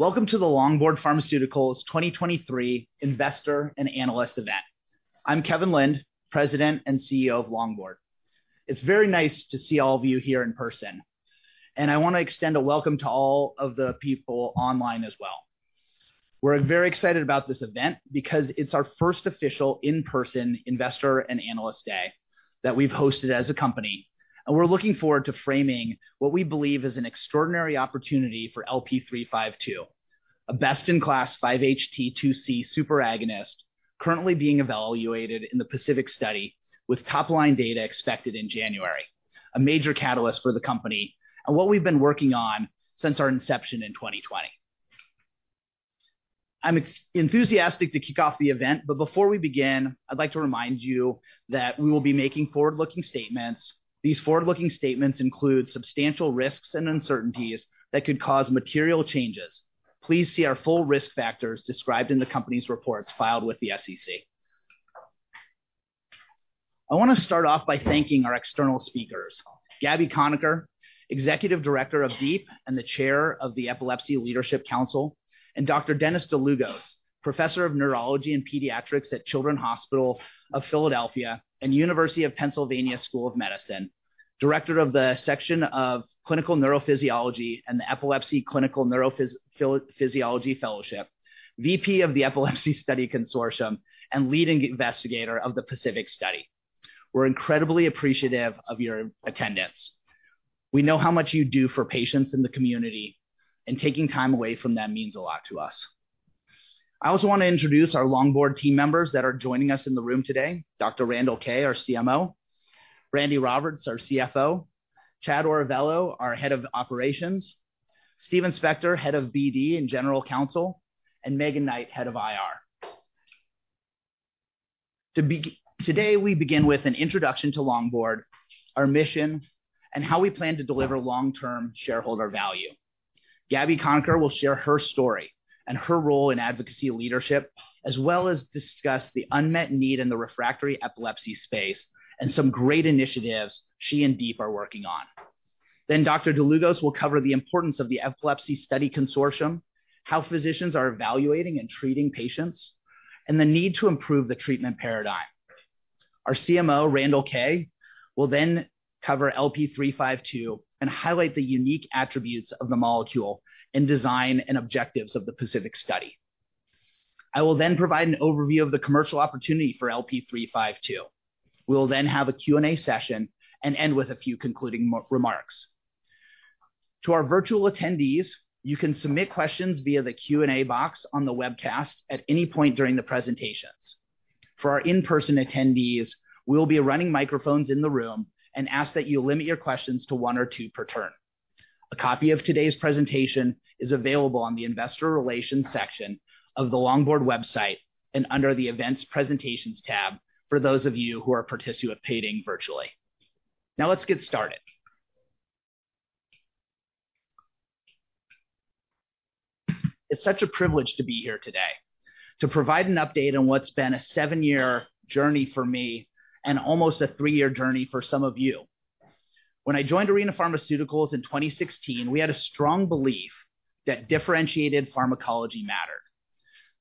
Welcome to the Longboard Pharmaceuticals' 2023 Investor and Analyst Event. I'm Kevin Lind, President and CEO of Longboard. It's very nice to see all of you here in person, and I want to extend a welcome to all of the people online as well. We're very excited about this event because it's our first official in-person investor and analyst day that we've hosted as a company, and we're looking forward to framing what we believe is an extraordinary opportunity for LP352, a best-in-class 5-HT2C superagonist, currently being evaluated in the PACIFIC Study, with top-line data expected in January, a major catalyst for the company and what we've been working on since our inception in 2020. I'm enthusiastic to kick off the event, but before we begin, I'd like to remind you that we will be making forward-looking statements. These forward-looking statements include substantial risks and uncertainties that could cause material changes. Please see our full risk factors described in the company's reports filed with the SEC. I want to start off by thanking our external speakers, Gabi Conecker, Executive Director of DEE-P Connections, and the Chair of the Epilepsy Leadership Council, and Dr. Dennis Dlugos, Professor of Neurology and Pediatrics at Children's Hospital of Philadelphia, and University of Pennsylvania School of Medicine, Director of the Section of Clinical Neurophysiology and the Epilepsy Clinical Neurophysiology Fellowship, VP of the Epilepsy Study Consortium, and leading investigator of the PACIFIC Study. We're incredibly appreciative of your attendance. We know how much you do for patients in the community, and taking time away from that means a lot to us. I also want to introduce our Longboard team members that are joining us in the room today, Dr. Randall Kaye, our CMO, Brandi Roberts, our CFO, Chad Orevillo, our Head of Operations, Steven Spector, Head of BD and General Counsel, and Megan Knight, Head of IR. Today, we begin with an introduction to Longboard, our mission, and how we plan to deliver long-term shareholder value. Gabi Conecker will share her story and her role in advocacy leadership, as well as discuss the unmet need in the refractory epilepsy space and some great initiatives she and DEE-P are working on. Then Dr. Dlugos will cover the importance of the Epilepsy Study Consortium, how physicians are evaluating and treating patients, and the need to improve the treatment paradigm. Our CMO, Randall Kaye, will then cover LP352 and highlight the unique attributes of the molecule and design and objectives of the PACIFIC Study. I will then provide an overview of the commercial opportunity for LP352. We'll then have a Q&A session and end with a few concluding remarks. To our virtual attendees, you can submit questions via the Q&A box on the webcast at any point during the presentations. For our in-person attendees, we'll be running microphones in the room and ask that you limit your questions to one or two per turn. A copy of today's presentation is available on the Investor Relations section of the Longboard website and under the Events Presentations tab for those of you who are participating virtually. Now, let's get started. It's such a privilege to be here today to provide an update on what's been a seven-year journey for me and almost a three-year journey for some of you. When I joined Arena Pharmaceuticals in 2016, we had a strong belief that differentiated pharmacology mattered,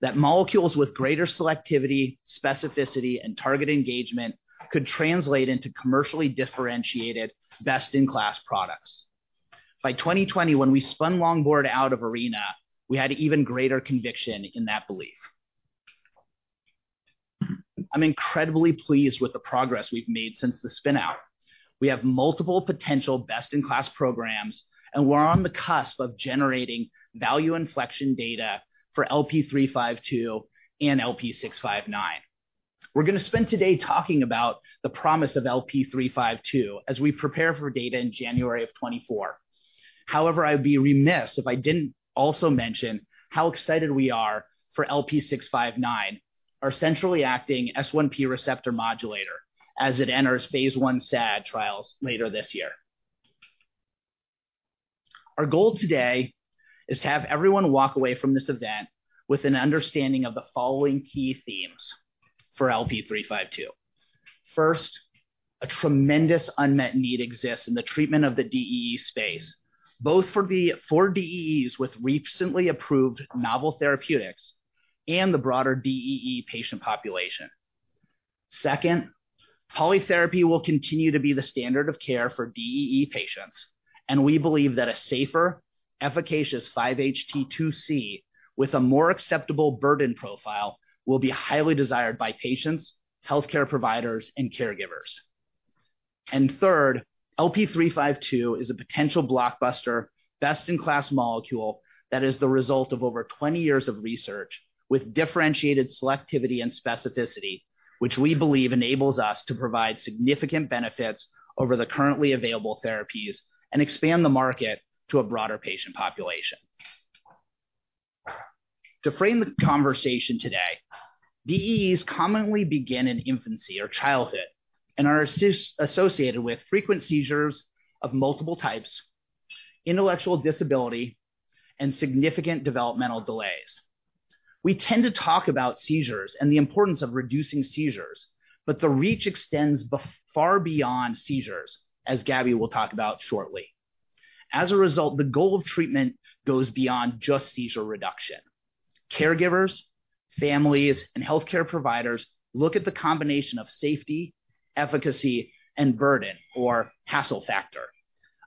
that molecules with greater selectivity, specificity, and target engagement could translate into commercially differentiated best-in-class products. By 2020, when we spun Longboard out of Arena, we had even greater conviction in that belief. I'm incredibly pleased with the progress we've made since the spin-out. We have multiple potential best-in-class programs, and we're on the cusp of generating value inflection data for LP352 and LP659. We're going to spend today talking about the promise of LP352 as we prepare for data in January 2024. However, I'd be remiss if I didn't also mention how excited we are for LP659, our centrally acting S1P receptor modulator, as it enters phase I SAD trials later this year. Our goal today is to have everyone walk away from this event with an understanding of the following key themes for LP352. First, a tremendous unmet need exists in the treatment of the DEE space, both for DEEs with recently approved novel therapeutics and the broader DEE patient population. Second, polytherapy will continue to be the standard of care for DEE patients, and we believe that a safer, efficacious 5-HT2C with a more acceptable burden profile will be highly desired by patients, healthcare providers, and caregivers. And third, LP352 is a potential blockbuster, best-in-class molecule that is the result of over 20 years of research with differentiated selectivity and specificity, which we believe enables us to provide significant benefits over the currently available therapies and expand the market to a broader patient population. To frame the conversation today, DEEs commonly begin in infancy or childhood and are associated with frequent seizures of multiple types, intellectual disability, and significant developmental delays. We tend to talk about seizures and the importance of reducing seizures, but the reach extends far beyond seizures, as Gabi will talk about shortly. As a result, the goal of treatment goes beyond just seizure reduction. Caregivers, families, and healthcare providers look at the combination of safety, efficacy, and burden or hassle factor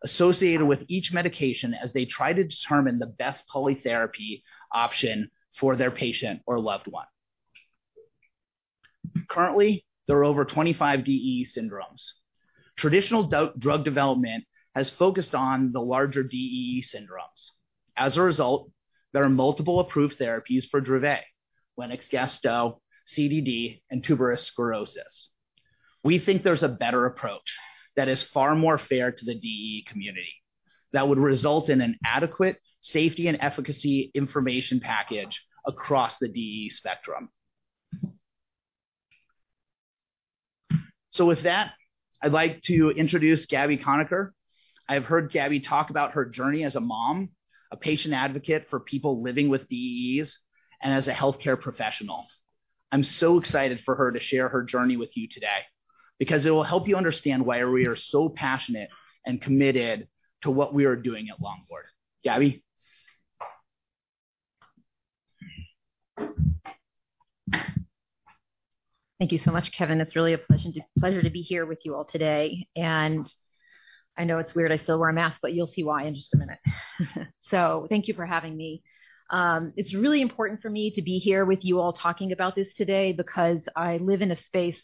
associated with each medication as they try to determine the best polytherapy option for their patient or loved one. Currently, there are over 25 DEE syndromes. Traditional drug development has focused on the larger DEE syndromes. As a result, there are multiple approved therapies for Dravet, Lennox-Gastaut, CDD, and Tuberous Sclerosis. We think there's a better approach that is far more fair to the DEE community, that would result in an adequate safety and efficacy information package across the DEE spectrum. So with that, I'd like to introduce Gabi Conecker. I've heard Gabi talk about her journey as a mom, a patient advocate for people living with DEEs, and as a healthcare professional. I'm so excited for her to share her journey with you today, because it will help you understand why we are so passionate and committed to what we are doing at Longboard. Gabi? Thank you so much, Kevin. It's really a pleasure to be here with you all today, and I know it's weird I still wear a mask, but you'll see why in just a minute. So thank you for having me. It's really important for me to be here with you all talking about this today, because I live in a space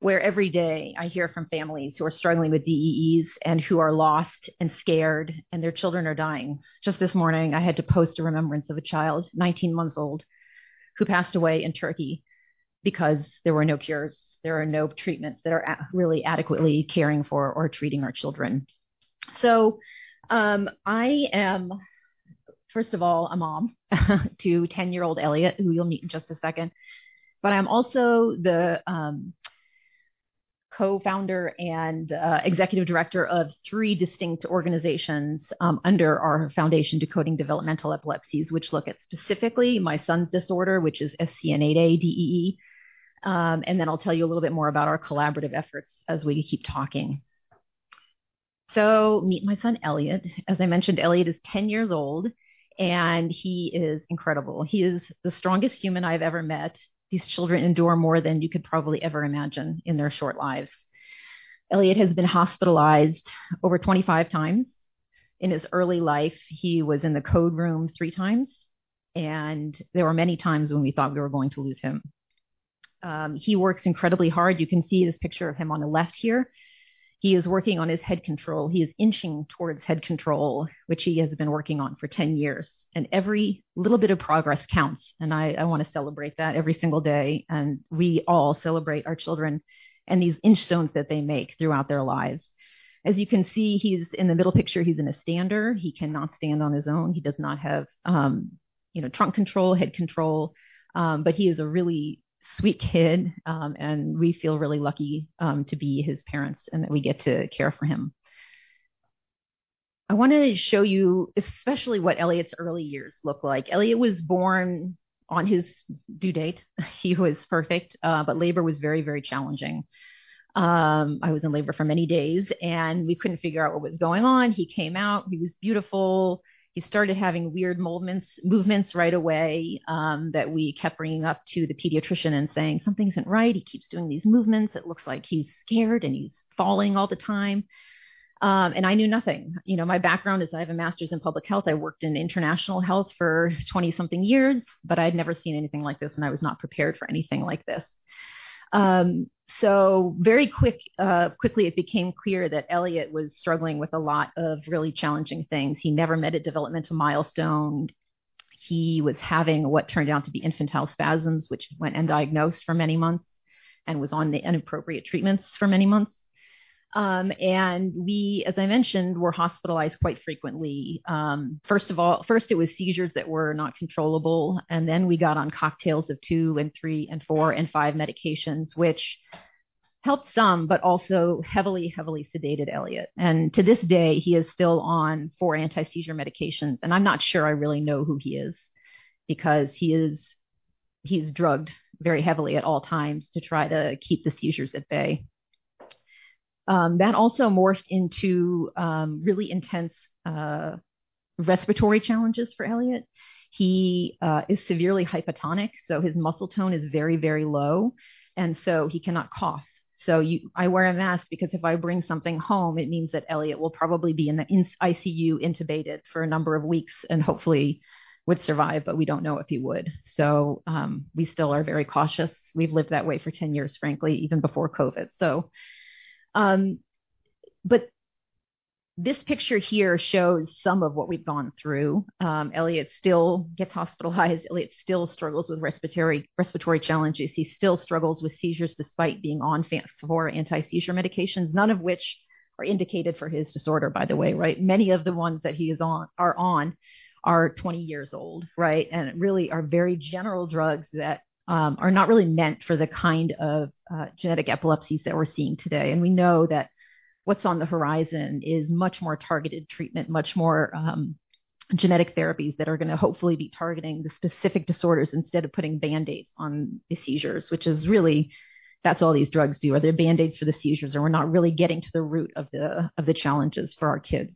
where every day I hear from families who are struggling with DEEs and who are lost and scared, and their children are dying. Just this morning, I had to post a remembrance of a child, 19 months old, who passed away in Turkey because there were no cures, there are no treatments that are really adequately caring for or treating our children. So, I am, first of all, a mom to 10-year-old Elliot, who you'll meet in just a second. But I'm also the co-founder and executive director of three distinct organizations under our foundation, Decoding Developmental Epilepsies, which look at specifically my son's disorder, which is SCN8A DEE. And then I'll tell you a little bit more about our collaborative efforts as we keep talking. So meet my son, Elliot. As I mentioned, Elliot is 10 years old, and he is incredible. He is the strongest human I've ever met. These children endure more than you could probably ever imagine in their short lives. Elliot has been hospitalized over 25 times. In his early life, he was in the code room three times, and there were many times when we thought we were going to lose him. He works incredibly hard. You can see this picture of him on the left here. He is working on his head control. He is inching towards head control, which he has been working on for 10 years, and every little bit of progress counts, and I, I want to celebrate that every single day, and we all celebrate our children and these inchstones that they make throughout their lives. As you can see, he's in the middle picture, he's in a stander. He cannot stand on his own. He does not have, you know, trunk control, head control, but he is a really sweet kid, and we feel really lucky to be his parents and that we get to care for him. I want to show you especially what Elliot's early years looked like. Elliot was born on his due date. He was perfect, but labor was very, very challenging. I was in labor for many days, and we couldn't figure out what was going on. He came out, he was beautiful. He started having weird movements, movements right away, that we kept bringing up to the pediatrician and saying: "Something isn't right. He keeps doing these movements. It looks like he's scared, and he's falling all the time." And I knew nothing. You know, my background is I have a master's in public health. I worked in international health for 20-something years, but I'd never seen anything like this, and I was not prepared for anything like this. So very quickly, it became clear that Elliot was struggling with a lot of really challenging things. He never met a developmental milestone. He was having what turned out to be infantile spasms, which went undiagnosed for many months and was on the inappropriate treatments for many months. And we, as I mentioned, were hospitalized quite frequently. First it was seizures that were not controllable, and then we got on cocktails of two and three and four and five medications, which helped some, but also heavily, heavily sedated Elliot. To this day, he is still on four anti-seizure medications, and I'm not sure I really know who he is because he is, he's drugged very heavily at all times to try to keep the seizures at bay. That also morphed into really intense, respiratory challenges for Elliot. He is severely hypotonic, so his muscle tone is very, very low, and so he cannot cough. You know, I wear a mask because if I bring something home, it means that Elliot will probably be in the ICU, intubated for a number of weeks and hopefully would survive, but we don't know if he would. We still are very cautious. We've lived that way for 10 years, frankly, even before COVID. This picture here shows some of what we've gone through. Elliot still gets hospitalized. Elliot still struggles with respiratory, respiratory challenges. He still struggles with seizures, despite being on 4 anti-seizure medications, none of which are indicated for his disorder, by the way, right? Many of the ones that he is on are 20 years old, right, and really are very general drugs that are not really meant for the kind of genetic epilepsies that we're seeing today. We know that what's on the horizon is much more targeted treatment, much more... Genetic therapies that are going to hopefully be targeting the specific disorders instead of putting band-aids on the seizures, which is really, that's all these drugs do, are they're band-aids for the seizures, and we're not really getting to the root of the, of the challenges for our kids.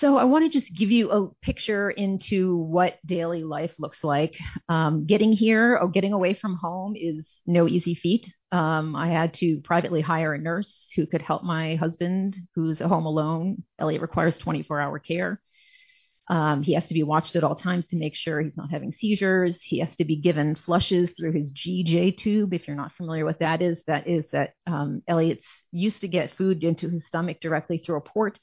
So I want to just give you a picture into what daily life looks like. Getting here or getting away from home is no easy feat. I had to privately hire a nurse who could help my husband, who's at home alone. Elliot requires 24-hour care. He has to be watched at all times to make sure he's not having seizures. He has to be given flushes through his GJ tube. If you're not familiar with what that is, that is that, Elliot used to get food into his stomach directly through a port,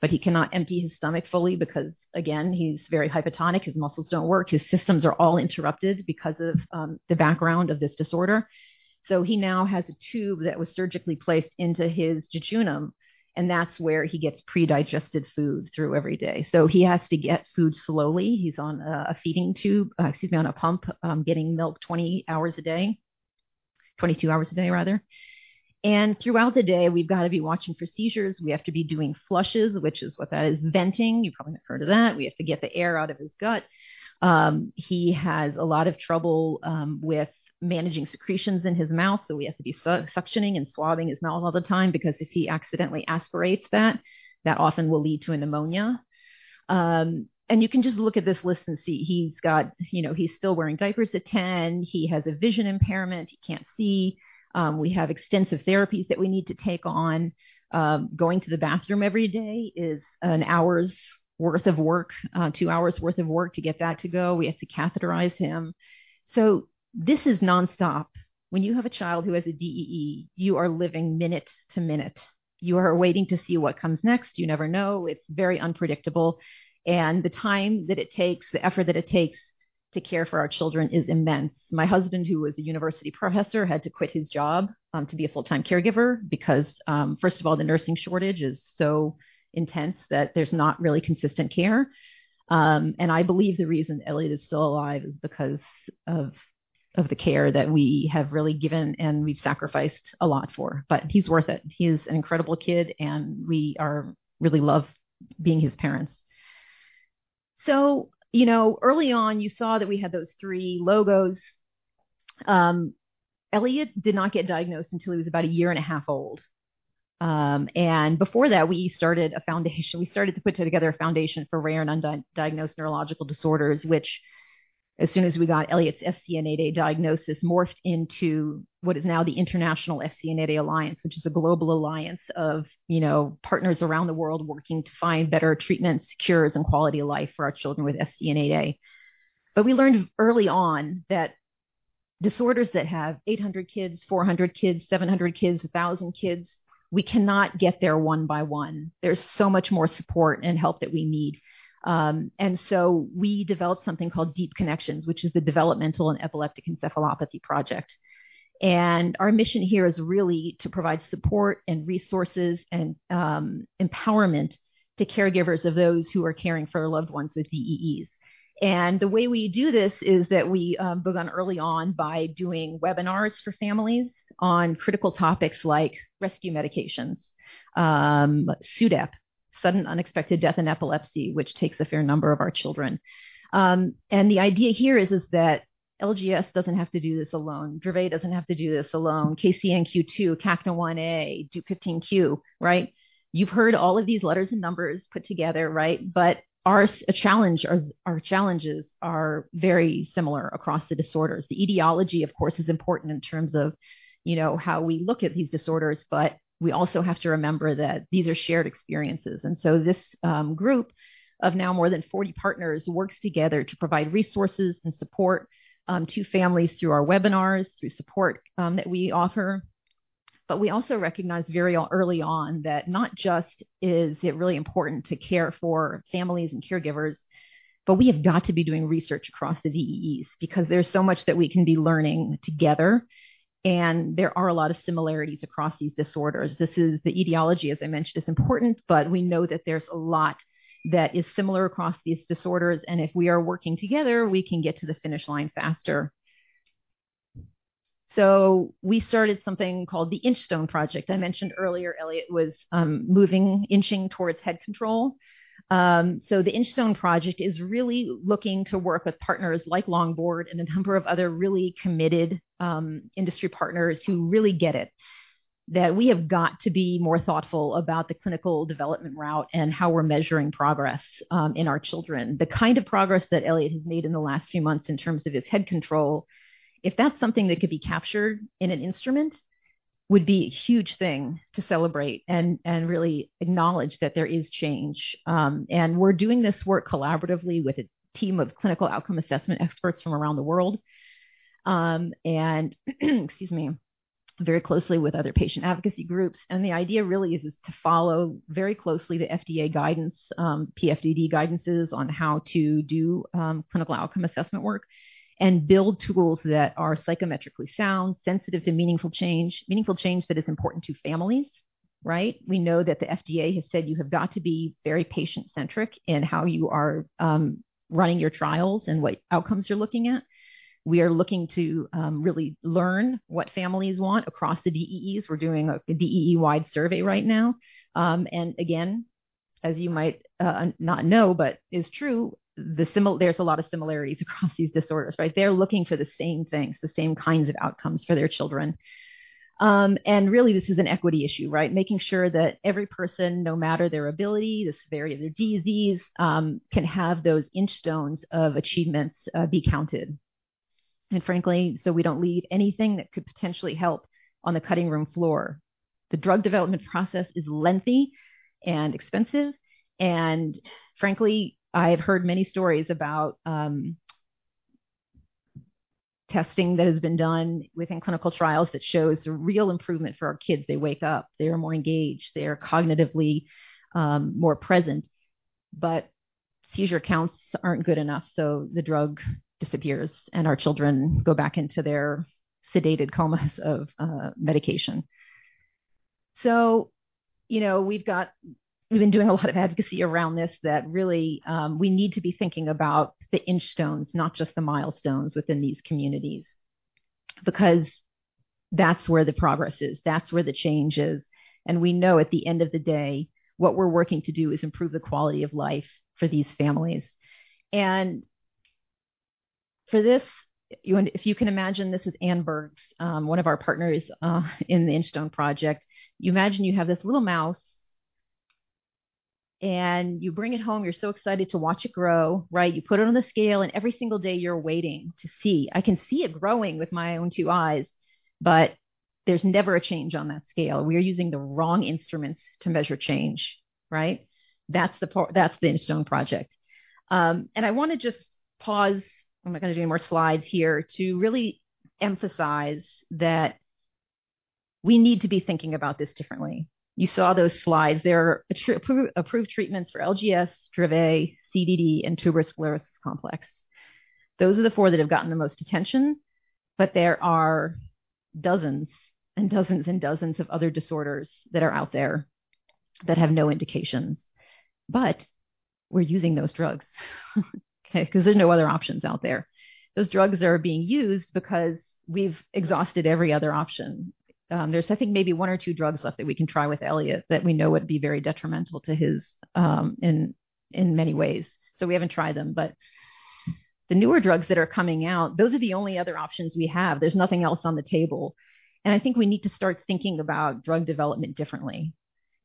but he cannot empty his stomach fully because, again, he's very hypotonic. His muscles don't work. His systems are all interrupted because of the background of this disorder. So he now has a tube that was surgically placed into his jejunum, and that's where he gets predigested food through every day. So he has to get food slowly. He's on a, a feeding tube, on a pump, getting milk 20 hours a day, 22 hours a day, rather. And throughout the day, we've got to be watching for seizures. We have to be doing flushes, which is what that is, venting. You've probably heard of that. We have to get the air out of his gut. He has a lot of trouble with managing secretions in his mouth, so we have to be suctioning and swabbing his mouth all the time, because if he accidentally aspirates that, that often will lead to a pneumonia. And you can just look at this list and see. He's got—you know, he's still wearing diapers at 10. He has a vision impairment. He can't see. We have extensive therapies that we need to take on. Going to the bathroom every day is an hour's worth of work, two hours worth of work to get that to go. We have to catheterize him. So this is nonstop. When you have a child who has a DEE, you are living minute to minute. You are waiting to see what comes next. You never know. It's very unpredictable, and the time that it takes, the effort that it takes to care for our children is immense. My husband, who was a university professor, had to quit his job to be a full-time caregiver because first of all, the nursing shortage is so intense that there's not really consistent care. And I believe the reason Elliot is still alive is because of the care that we have really given and we've sacrificed a lot for, but he's worth it. He is an incredible kid, and we really love being his parents. So you know, early on, you saw that we had those three logos. Elliot did not get diagnosed until he was about a year and a half old. And before that, we started a foundation. We started to put together a foundation for rare and undiagnosed neurological disorders, which as soon as we got Elliot's SCN8A diagnosis, morphed into what is now the International SCN8A Alliance, which is a global alliance of, you know, partners around the world working to find better treatments, cures, and quality of life for our children with SCN8A. But we learned early on that disorders that have 800 kids, 400 kids, 700 kids, 1,000 kids, we cannot get there one by one. There's so much more support and help that we need. And so we developed something called DEE-P Connections, which is the Developmental and Epileptic Encephalopathy Project. And our mission here is really to provide support and resources and empowerment to caregivers of those who are caring for loved ones with DEEs. The way we do this is that we begun early on by doing webinars for families on critical topics like rescue medications, SUDEP, sudden unexpected death in epilepsy, which takes a fair number of our children. The idea here is that LGS doesn't have to do this alone. Dravet doesn't have to do this alone. KCNQ, CACNA1A, Dup15q, right? You've heard all of these letters and numbers put together, right? Our challenge, or our challenges are very similar across the disorders. The etiology, of course, is important in terms of, you know, how we look at these disorders, but we also have to remember that these are shared experiences. This group of now more than 40 partners works together to provide resources and support to families through our webinars, through support that we offer. But we also recognized very early on that not just is it really important to care for families and caregivers, but we have got to be doing research across the DEEs because there's so much that we can be learning together, and there are a lot of similarities across these disorders. This, the etiology as I mentioned, is important, but we know that there's a lot that is similar across these disorders, and if we are working together, we can get to the finish line faster. So we started something called the Inchstone Project. I mentioned earlier Elliot was moving, inching towards head control. So the Inchstone Project is really looking to work with partners like Longboard and a number of other really committed, industry partners who really get it, that we have got to be more thoughtful about the clinical development route and how we're measuring progress, in our children. The kind of progress that Elliot has made in the last few months in terms of his head control, if that's something that could be captured in an instrument, would be a huge thing to celebrate and, and really acknowledge that there is change. And we're doing this work collaboratively with a team of clinical outcome assessment experts from around the world, and excuse me, very closely with other patient advocacy groups. The idea really is to follow very closely the FDA guidance, PFDD guidances on how to do clinical outcome assessment work and build tools that are psychometrically sound, sensitive to meaningful change, meaningful change that is important to families, right? We know that the FDA has said you have got to be very patient-centric in how you are running your trials and what outcomes you're looking at. We are looking to really learn what families want across the DEEs. We're doing a DEE-wide survey right now. As you might not know, but is true, there's a lot of similarities across these disorders, right? They're looking for the same things, the same kinds of outcomes for their children. Really, this is an equity issue, right? Making sure that every person, no matter their ability, the severity of their disease, can have those inchstones of achievements be counted. And frankly, so we don't leave anything that could potentially help on the cutting room floor. The drug development process is lengthy and expensive, and frankly, I've heard many stories about testing that has been done within clinical trials that shows a real improvement for our kids. They wake up, they are more engaged, they are cognitively more present, but seizure counts aren't good enough, so the drug disappears, and our children go back into their sedated comas of medication. So, you know, we've been doing a lot of advocacy around this, that really we need to be thinking about the inchstones, not just the milestones within these communities, because that's where the progress is, that's where the change is. We know at the end of the day, what we're working to do is improve the quality of life for these families. If you can imagine, this is Anne Berg's, one of our partners in the Inchstone project. You imagine you have this little mouse, and you bring it home, you're so excited to watch it grow, right? You put it on the scale, and every single day you're waiting to see. I can see it growing with my own two eyes, but there's never a change on that scale. We are using the wrong instruments to measure change, right? That's the part, that's the Inchstone project. I wanna just pause, I'm not gonna do any more slides here, to really emphasize that we need to be thinking about this differently. You saw those slides. There are approved treatments for LGS, Dravet, CDD, and Tuberous Sclerosis Complex. Those are the four that have gotten the most attention, but there are dozens and dozens and dozens of other disorders that are out there that have no indications. But we're using those drugs, okay? 'Cause there's no other options out there. Those drugs are being used because we've exhausted every other option. There's, I think, maybe one or two drugs left that we can try with Elliot that we know would be very detrimental to his in many ways, so we haven't tried them. But the newer drugs that are coming out, those are the only other options we have. There's nothing else on the table, and I think we need to start thinking about drug development differently.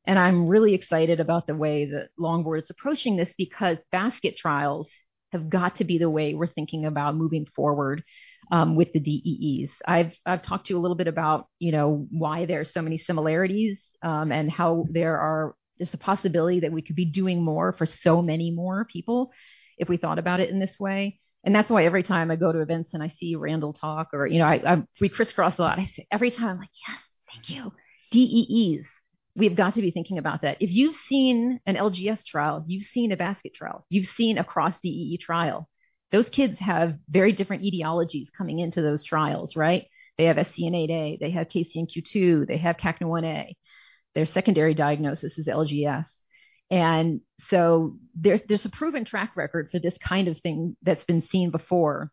And I'm really excited about the way that Longboard is approaching this, because basket trials have got to be the way we're thinking about moving forward with the DEEs. I've talked to you a little bit about, you know, why there are so many similarities, and how there are just a possibility that we could be doing more for so many more people if we thought about it in this way. And that's why every time I go to events and I see Randall talk or, you know, I we crisscross a lot. Every time I'm like: Yes, thank you, DEEs. We've got to be thinking about that. If you've seen an LGS trial, you've seen a basket trial, you've seen a cross DEE trial. Those kids have very different etiologies coming into those trials, right? They have SCN8A, they have KCNQ2, they have CACNA1A. Their secondary diagnosis is LGS. So there's a proven track record for this kind of thing that's been seen before.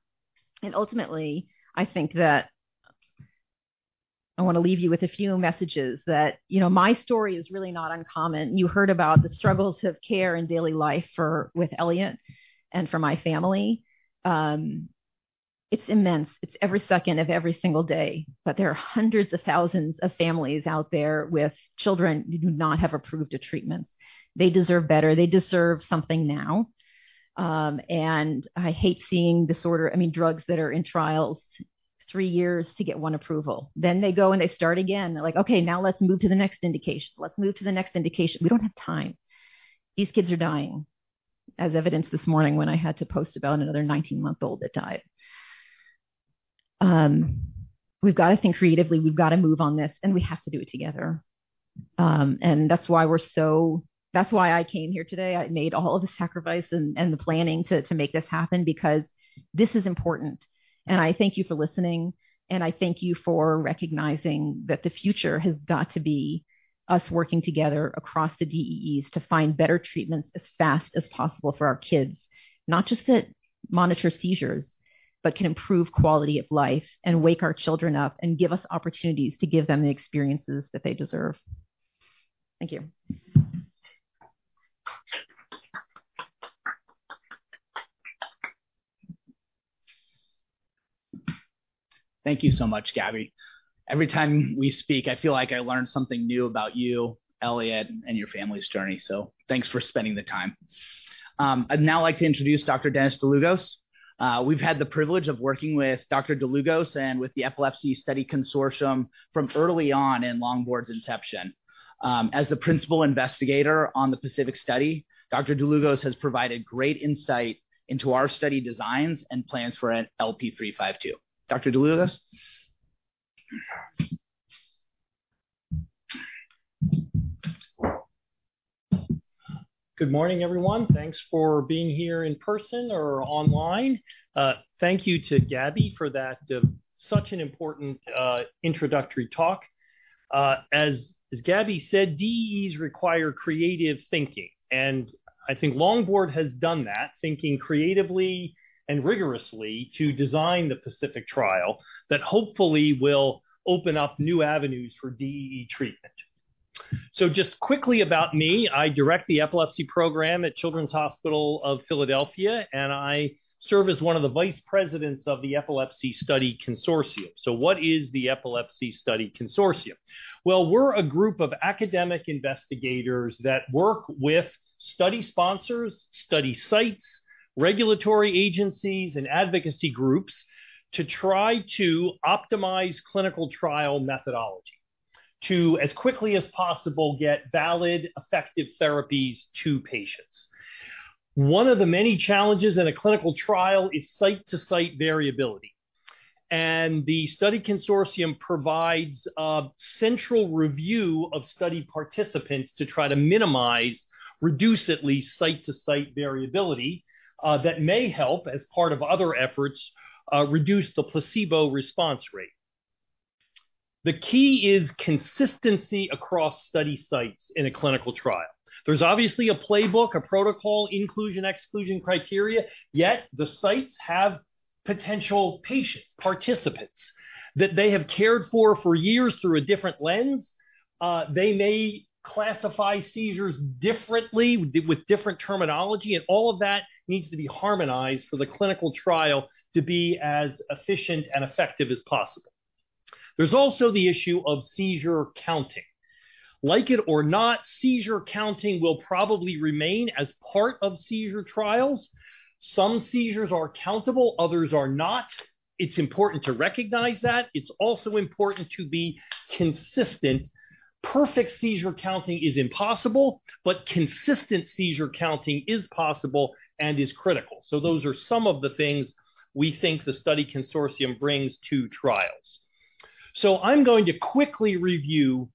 And ultimately, I think that I wanna leave you with a few messages that, you know, my story is really not uncommon. You heard about the struggles of care in daily life for, with Elliot and for my family. It's immense. It's every second of every single day. But there are hundreds of thousands of families out there with children who do not have approved treatments. They deserve better. They deserve something now. And I hate seeing disorder... I mean, drugs that are in trials three years to get one approval. Then they go, and they start again. They're like, "Okay, now let's move to the next indication. Let's move to the next indication." We don't have time. These kids are dying, as evidenced this morning when I had to post about another 19-month-old that died. We've got to think creatively, we've got to move on this, and we have to do it together. That's why I came here today. I made all of the sacrifice and the planning to make this happen, because this is important. I thank you for listening, and I thank you for recognizing that the future has got to be us working together across the DEEs to find better treatments as fast as possible for our kids. Not just to monitor seizures, but can improve quality of life and wake our children up and give us opportunities to give them the experiences that they deserve. Thank you. Thank you so much, Gabi. Every time we speak, I feel like I learn something new about you, Elliot, and your family's journey, so thanks for spending the time. I'd now like to introduce Dr. Dennis Dlugos. We've had the privilege of working with Dr. Dlugos and with the Epilepsy Study Consortium from early on in Longboard's inception. As the principal investigator on the PACIFIC Study, Dr. Dlugos has provided great insight into our study designs and plans for an LP352. Dr. Dlugos? Good morning, everyone. Thanks for being here in person or online. Thank you to Gabi for that such an important introductory talk. As Gabi said, DEEs require creative thinking, and I think Longboard has done that, thinking creatively and rigorously to design the PACIFIC trial that hopefully will open up new avenues for DEE treatment.... So just quickly about me, I direct the epilepsy program at Children's Hospital of Philadelphia, and I serve as one of the vice presidents of the Epilepsy Study Consortium. So what is the Epilepsy Study Consortium? Well, we're a group of academic investigators that work with study sponsors, study sites, regulatory agencies, and advocacy groups to try to optimize clinical trial methodology, to, as quickly as possible, get valid, effective therapies to patients. One of the many challenges in a clinical trial is site-to-site variability, and the study consortium provides a central review of study participants to try to minimize, reduce at least, site-to-site variability, that may help, as part of other efforts, reduce the placebo response rate. The key is consistency across study sites in a clinical trial. There's obviously a playbook, a protocol, inclusion, exclusion criteria, yet the sites have potential patients, participants, that they have cared for for years through a different lens. They may classify seizures differently, with different terminology, and all of that needs to be harmonized for the clinical trial to be as efficient and effective as possible. There's also the issue of seizure counting. Like it or not, seizure counting will probably remain as part of seizure trials. Some seizures are countable, others are not. It's important to recognize that. It's also important to be consistent. Perfect seizure counting is impossible, but consistent seizure counting is possible and is critical. So those are some of the things we think the study consortium brings to trials. So I'm going to quickly review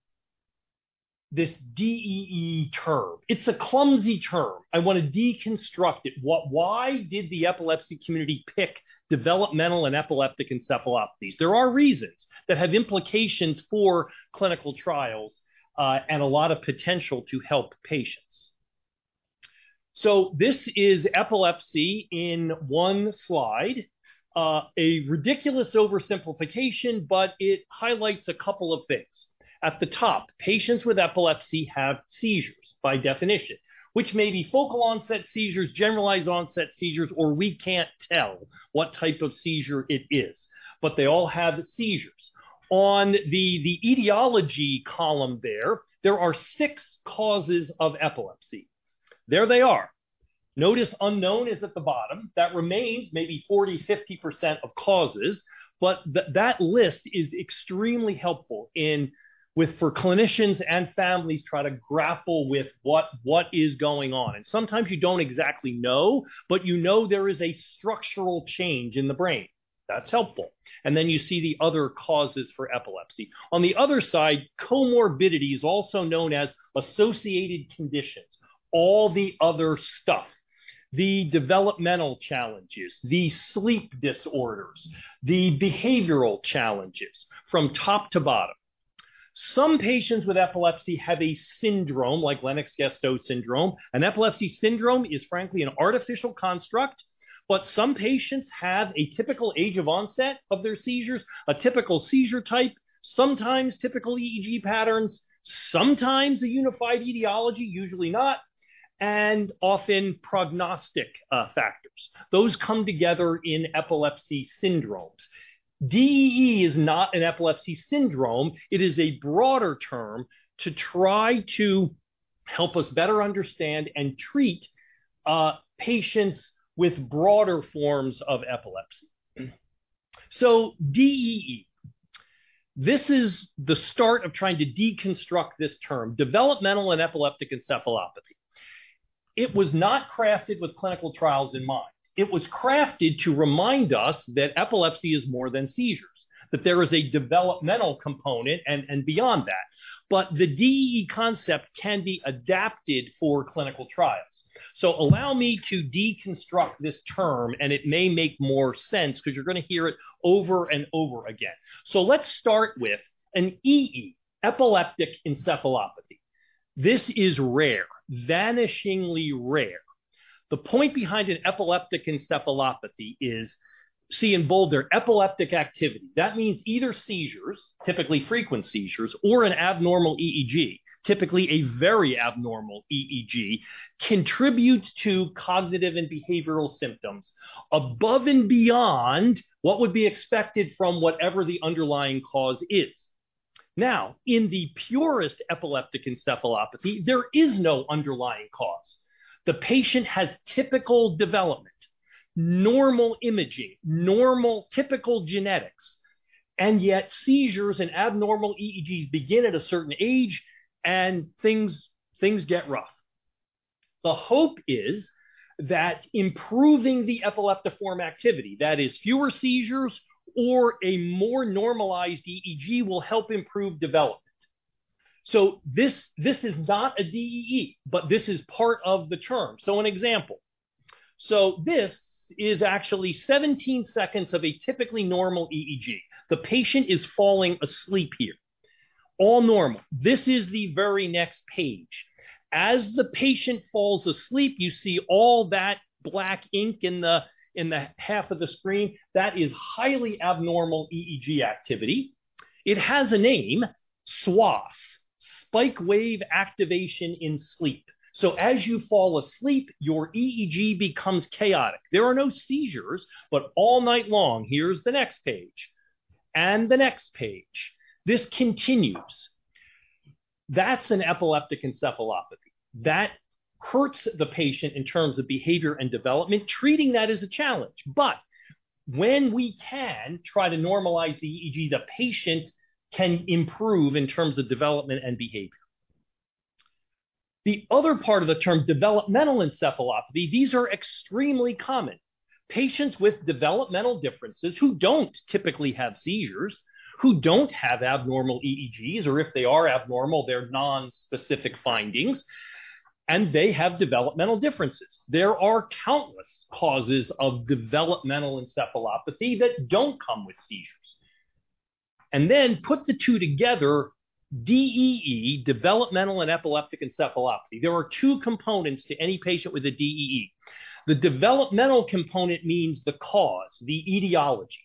this DEE term. It's a clumsy term. I want to deconstruct it. Why did the epilepsy community pick developmental and epileptic encephalopathies? There are reasons that have implications for clinical trials, and a lot of potential to help patients. This is epilepsy in one slide. A ridiculous oversimplification, but it highlights a couple of things. At the top, patients with epilepsy have seizures, by definition, which may be focal onset seizures, generalized onset seizures, or we can't tell what type of seizure it is, but they all have seizures. On the etiology column there, there are six causes of epilepsy. There they are. Notice, unknown is at the bottom. That remains maybe 40, 50% of causes, but that list is extremely helpful for clinicians and families trying to grapple with what is going on. Sometimes you don't exactly know, but you know there is a structural change in the brain. That's helpful. And then you see the other causes for epilepsy. On the other side, comorbidities, also known as associated conditions, all the other stuff, the developmental challenges, the sleep disorders, the behavioral challenges from top to bottom. Some patients with epilepsy have a syndrome like Lennox-Gastaut syndrome. An epilepsy syndrome is frankly an artificial construct, but some patients have a typical age of onset of their seizures, a typical seizure type, sometimes typical EEG patterns, sometimes a unified etiology, usually not, and often prognostic factors. Those come together in epilepsy syndromes. DEE is not an epilepsy syndrome. It is a broader term to try to help us better understand and treat patients with broader forms of epilepsy. So DEE, this is the start of trying to deconstruct this term, developmental and epileptic encephalopathy. It was not crafted with clinical trials in mind. It was crafted to remind us that epilepsy is more than seizures, that there is a developmental component and beyond that. But the DEE concept can be adapted for clinical trials. So allow me to deconstruct this term, and it may make more sense because you're going to hear it over and over again. So let's start with an EE, epileptic encephalopathy. This is rare, vanishingly rare. The point behind an epileptic encephalopathy is, see in bolder, epileptic activity. That means either seizures, typically frequent seizures, or an abnormal EEG, typically a very abnormal EEG, contributes to cognitive and behavioral symptoms above and beyond what would be expected from whatever the underlying cause is. Now, in the purest epileptic encephalopathy, there is no underlying cause. The patient has typical development, normal imaging, normal, typical genetics, and yet seizures and abnormal EEGs begin at a certain age and things, things get rough. The hope is that improving the epileptiform activity, that is, fewer seizures or a more normalized EEG, will help improve development. So this, this is not a DEE, but this is part of the term. So an example. So this is actually 17 seconds of a typically normal EEG. The patient is falling asleep here. All normal. This is the very next page... As the patient falls asleep, you see all that black ink in the, in the half of the screen, that is highly abnormal EEG activity. It has a name, SWAS, spike wave activation in sleep. So as you fall asleep, your EEG becomes chaotic. There are no seizures, but all night long, here's the next page, and the next page. This continues. That's an epileptic encephalopathy. That hurts the patient in terms of behavior and development. Treating that is a challenge, but when we can try to normalize the EEG, the patient can improve in terms of development and behavior. The other part of the term developmental encephalopathy, these are extremely common. Patients with developmental differences who don't typically have seizures, who don't have abnormal EEGs, or if they are abnormal, they're non-specific findings, and they have developmental differences. There are countless causes of developmental encephalopathy that don't come with seizures. And then put the two together, DEE, Developmental and Epileptic Encephalopathy. There are two components to any patient with a DEE. The developmental component means the cause, the etiology,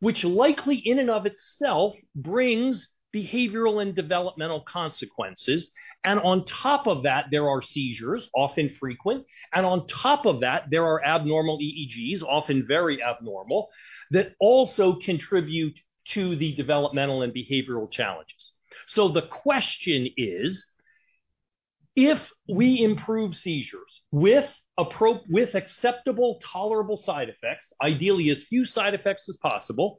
which likely in and of itself brings behavioral and developmental consequences, and on top of that, there are seizures, often frequent, and on top of that, there are abnormal EEGs, often very abnormal, that also contribute to the developmental and behavioral challenges. So the question is, if we improve seizures with acceptable, tolerable side effects, ideally, as few side effects as possible,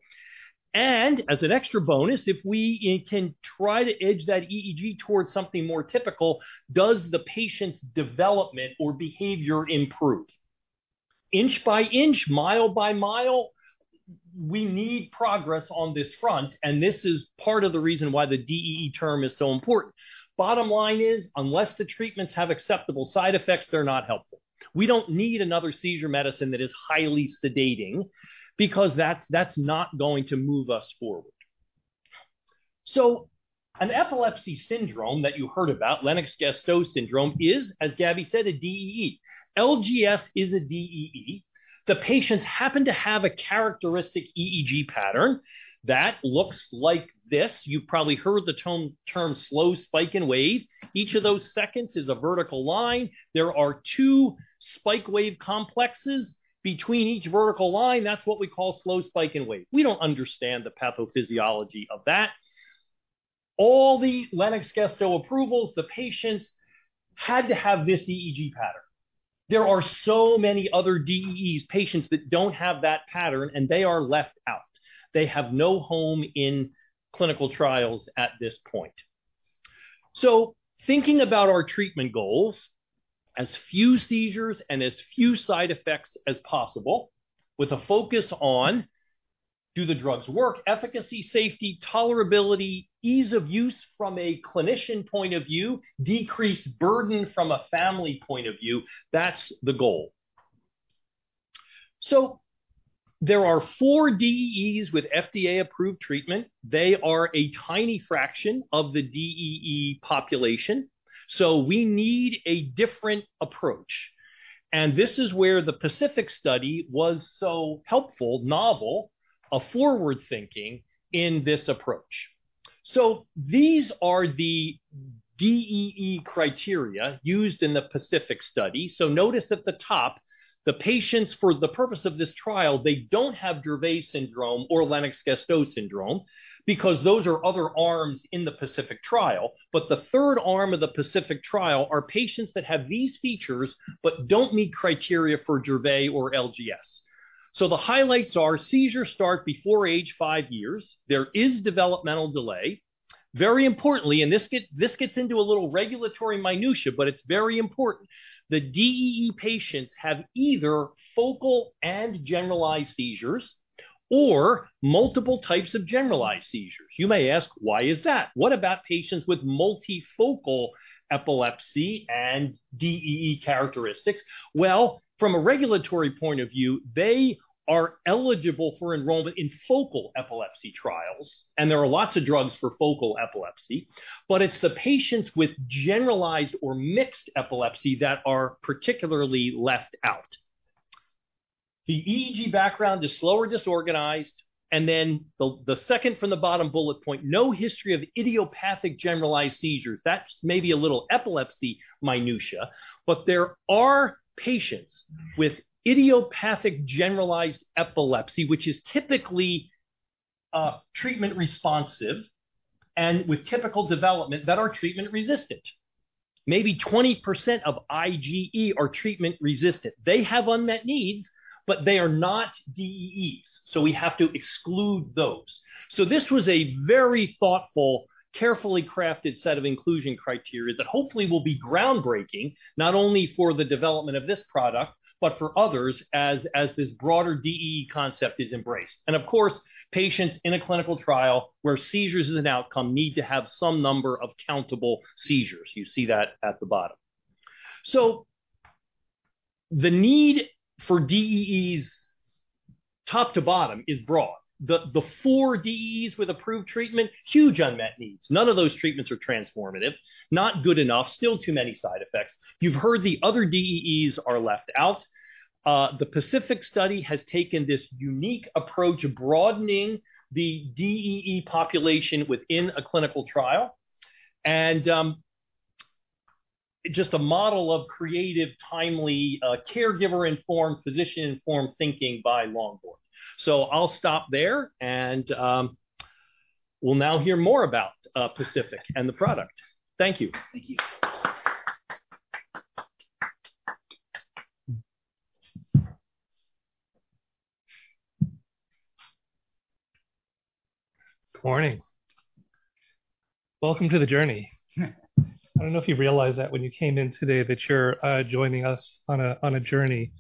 and as an extra bonus, if we, it can try to edge that EEG towards something more typical, does the patient's development or behavior improve? Inch by inch, mile by mile, we need progress on this front, and this is part of the reason why the DEE term is so important. Bottom line is, unless the treatments have acceptable side effects, they're not helpful. We don't need another seizure medicine that is highly sedating because that's, that's not going to move us forward. So an epilepsy syndrome that you heard about, Lennox-Gastaut syndrome, is, as Gabi said, a DEE. LGS is a DEE. The patients happen to have a characteristic EEG pattern that looks like this. You've probably heard the term slow spike and wave. Each of those seconds is a vertical line. There are two spike wave complexes between each vertical line. That's what we call slow spike and wave. We don't understand the pathophysiology of that. All the Lennox-Gastaut approvals, the patients had to have this EEG pattern. There are so many other DEEs, patients that don't have that pattern, and they are left out. They have no home in clinical trials at this point. So thinking about our treatment goals, as few seizures and as few side effects as possible, with a focus on, do the drugs work, efficacy, safety, tolerability, ease of use from a clinician point of view, decreased burden from a family point of view, that's the goal. So there are four DEEs with FDA-approved treatment. They are a tiny fraction of the DEE population, so we need a different approach. And this is where the PACIFIC Study was so helpful, novel, a forward-thinking in this approach. So these are the DEE criteria used in the PACIFIC Study. So notice at the top, the patients, for the purpose of this trial, they don't have Dravet syndrome or Lennox-Gastaut syndrome, because those are other arms in the PACIFIC trial. But the third arm of the PACIFIC trial are patients that have these features but don't meet criteria for Dravet or LGS. So the highlights are seizures start before age five years. There is developmental delay. Very importantly, and this gets into a little regulatory minutiae, but it's very important, the DEE patients have either focal and generalized seizures or multiple types of generalized seizures. You may ask, why is that? What about patients with multifocal epilepsy and DEE characteristics? Well, from a regulatory point of view, they are eligible for enrollment in focal epilepsy trials, and there are lots of drugs for focal epilepsy, but it's the patients with generalized or mixed epilepsy that are particularly left out. The EEG background is slow or disorganized, and then the second from the bottom bullet point, no history of idiopathic generalized seizures. That's maybe a little epilepsy minutiae, but there are patients with idiopathic generalized epilepsy, which is typically treatment responsive and with typical development that are treatment resistant. Maybe 20% of IGE are treatment resistant. They have unmet needs, but they are not DEEs, so we have to exclude those. So this was a very thoughtful, carefully crafted set of inclusion criteria that hopefully will be groundbreaking, not only for the development of this product, but for others as, as this broader DEE concept is embraced. And of course, patients in a clinical trial where seizures is an outcome, need to have some number of countable seizures. You see that at the bottom. The need for DEEs, top to bottom, is broad. The, the four DEEs with approved treatment, huge unmet needs. None of those treatments are transformative, not good enough, still too many side effects. You've heard the other DEEs are left out. The PACIFIC Study has taken this unique approach of broadening the DEE population within a clinical trial, and just a model of creative, timely, caregiver-informed, physician-informed thinking by Longboard. So I'll stop there, and we'll now hear more about PACIFIC and the product. Thank you. Thank you. Good morning. Welcome to the journey. I don't know if you realized that when you came in today, that you're joining us on a journey.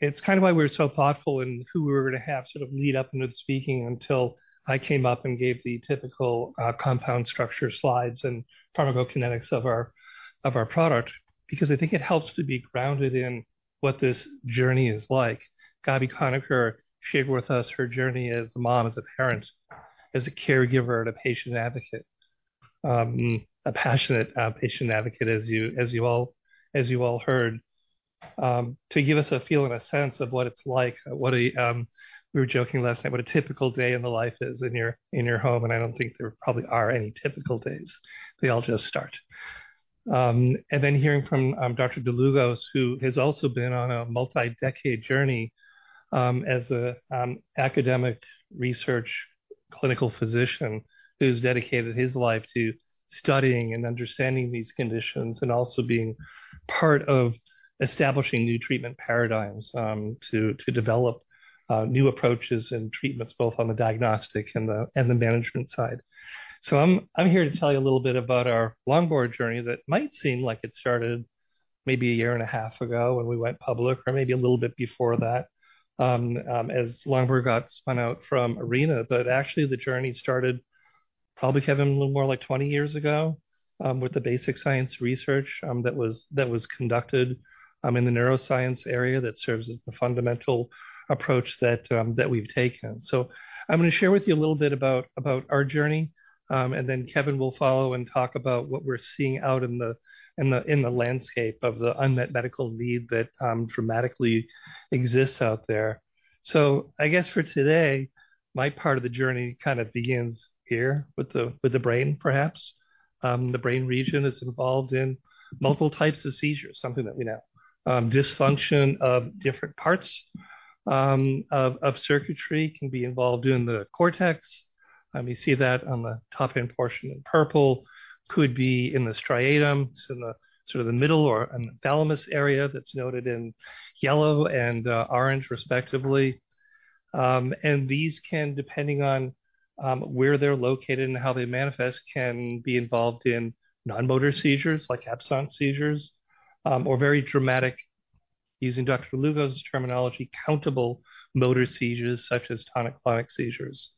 It's kind of why we were so thoughtful in who we were gonna have sort of lead up into the speaking until I came up and gave the typical compound structure slides and pharmacokinetics of our product, because I think it helps to be grounded in what this journey is like. Gabi Conecker shared with us her journey as a mom, as a parent, as a caregiver, and a patient advocate, a passionate patient advocate, as you all heard, to give us a feel and a sense of what it's like. What a... We were joking last night, what a typical day in the life is in your, in your home, and I don't think there probably are any typical days. They all just start. And then hearing from Dr. Dlugos, who has also been on a multi-decade journey, as a academic research clinical physician who's dedicated his life to studying and understanding these conditions, and also being part of establishing new treatment paradigms, to develop new approaches and treatments, both on the diagnostic and the, and the management side. So I'm here to tell you a little bit about our Longboard journey that might seem like it started maybe a year and a half ago when we went public, or maybe a little bit before that, as Longboard got spun out from Arena. Actually, the journey started probably, Kevin, a little more like 20 years ago, with the basic science research that was conducted in the neuroscience area that serves as the fundamental approach that we've taken. I'm gonna share with you a little bit about our journey, and then Kevin will follow and talk about what we're seeing out in the landscape of the unmet medical need that dramatically exists out there. I guess for today, my part of the journey kind of begins here with the brain, perhaps. The brain region is involved in multiple types of seizures, something that we know. Dysfunction of different parts of circuitry can be involved in the cortex. We see that on the top-end portion in purple. Could be in the striatum, it's in the sort of the middle, or in the thalamus area that's noted in yellow and, orange, respectively. And these can, depending on, where they're located and how they manifest, can be involved in non-motor seizures, like absence seizures, or very dramatic, using Dr. Dlugos' terminology, countable motor seizures, such as tonic-clonic seizures.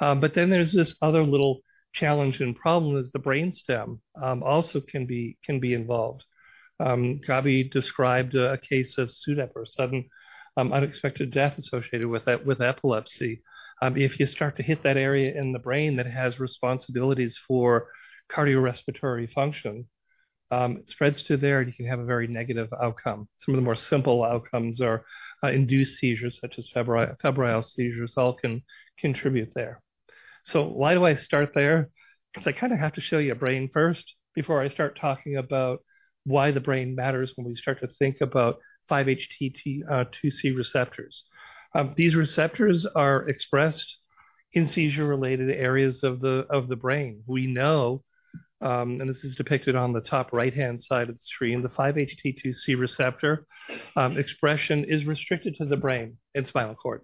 But then there's this other little challenge and problem, is the brainstem, also can be, can be involved. Gabi described a case of SUDEP, or sudden, unexpected death associated with with epilepsy. If you start to hit that area in the brain that has responsibilities for cardiorespiratory function, it spreads to there, and you can have a very negative outcome. Some of the more simple outcomes are, induced seizures, such as febrile seizures, all can contribute there. So why do I start there? Because I kind of have to show you a brain first, before I start talking about why the brain matters when we start to think about 5-HT2C receptors. These receptors are expressed in seizure-related areas of the brain. We know, and this is depicted on the top right-hand side of the screen, the 5-HT2C receptor expression is restricted to the brain and spinal cord.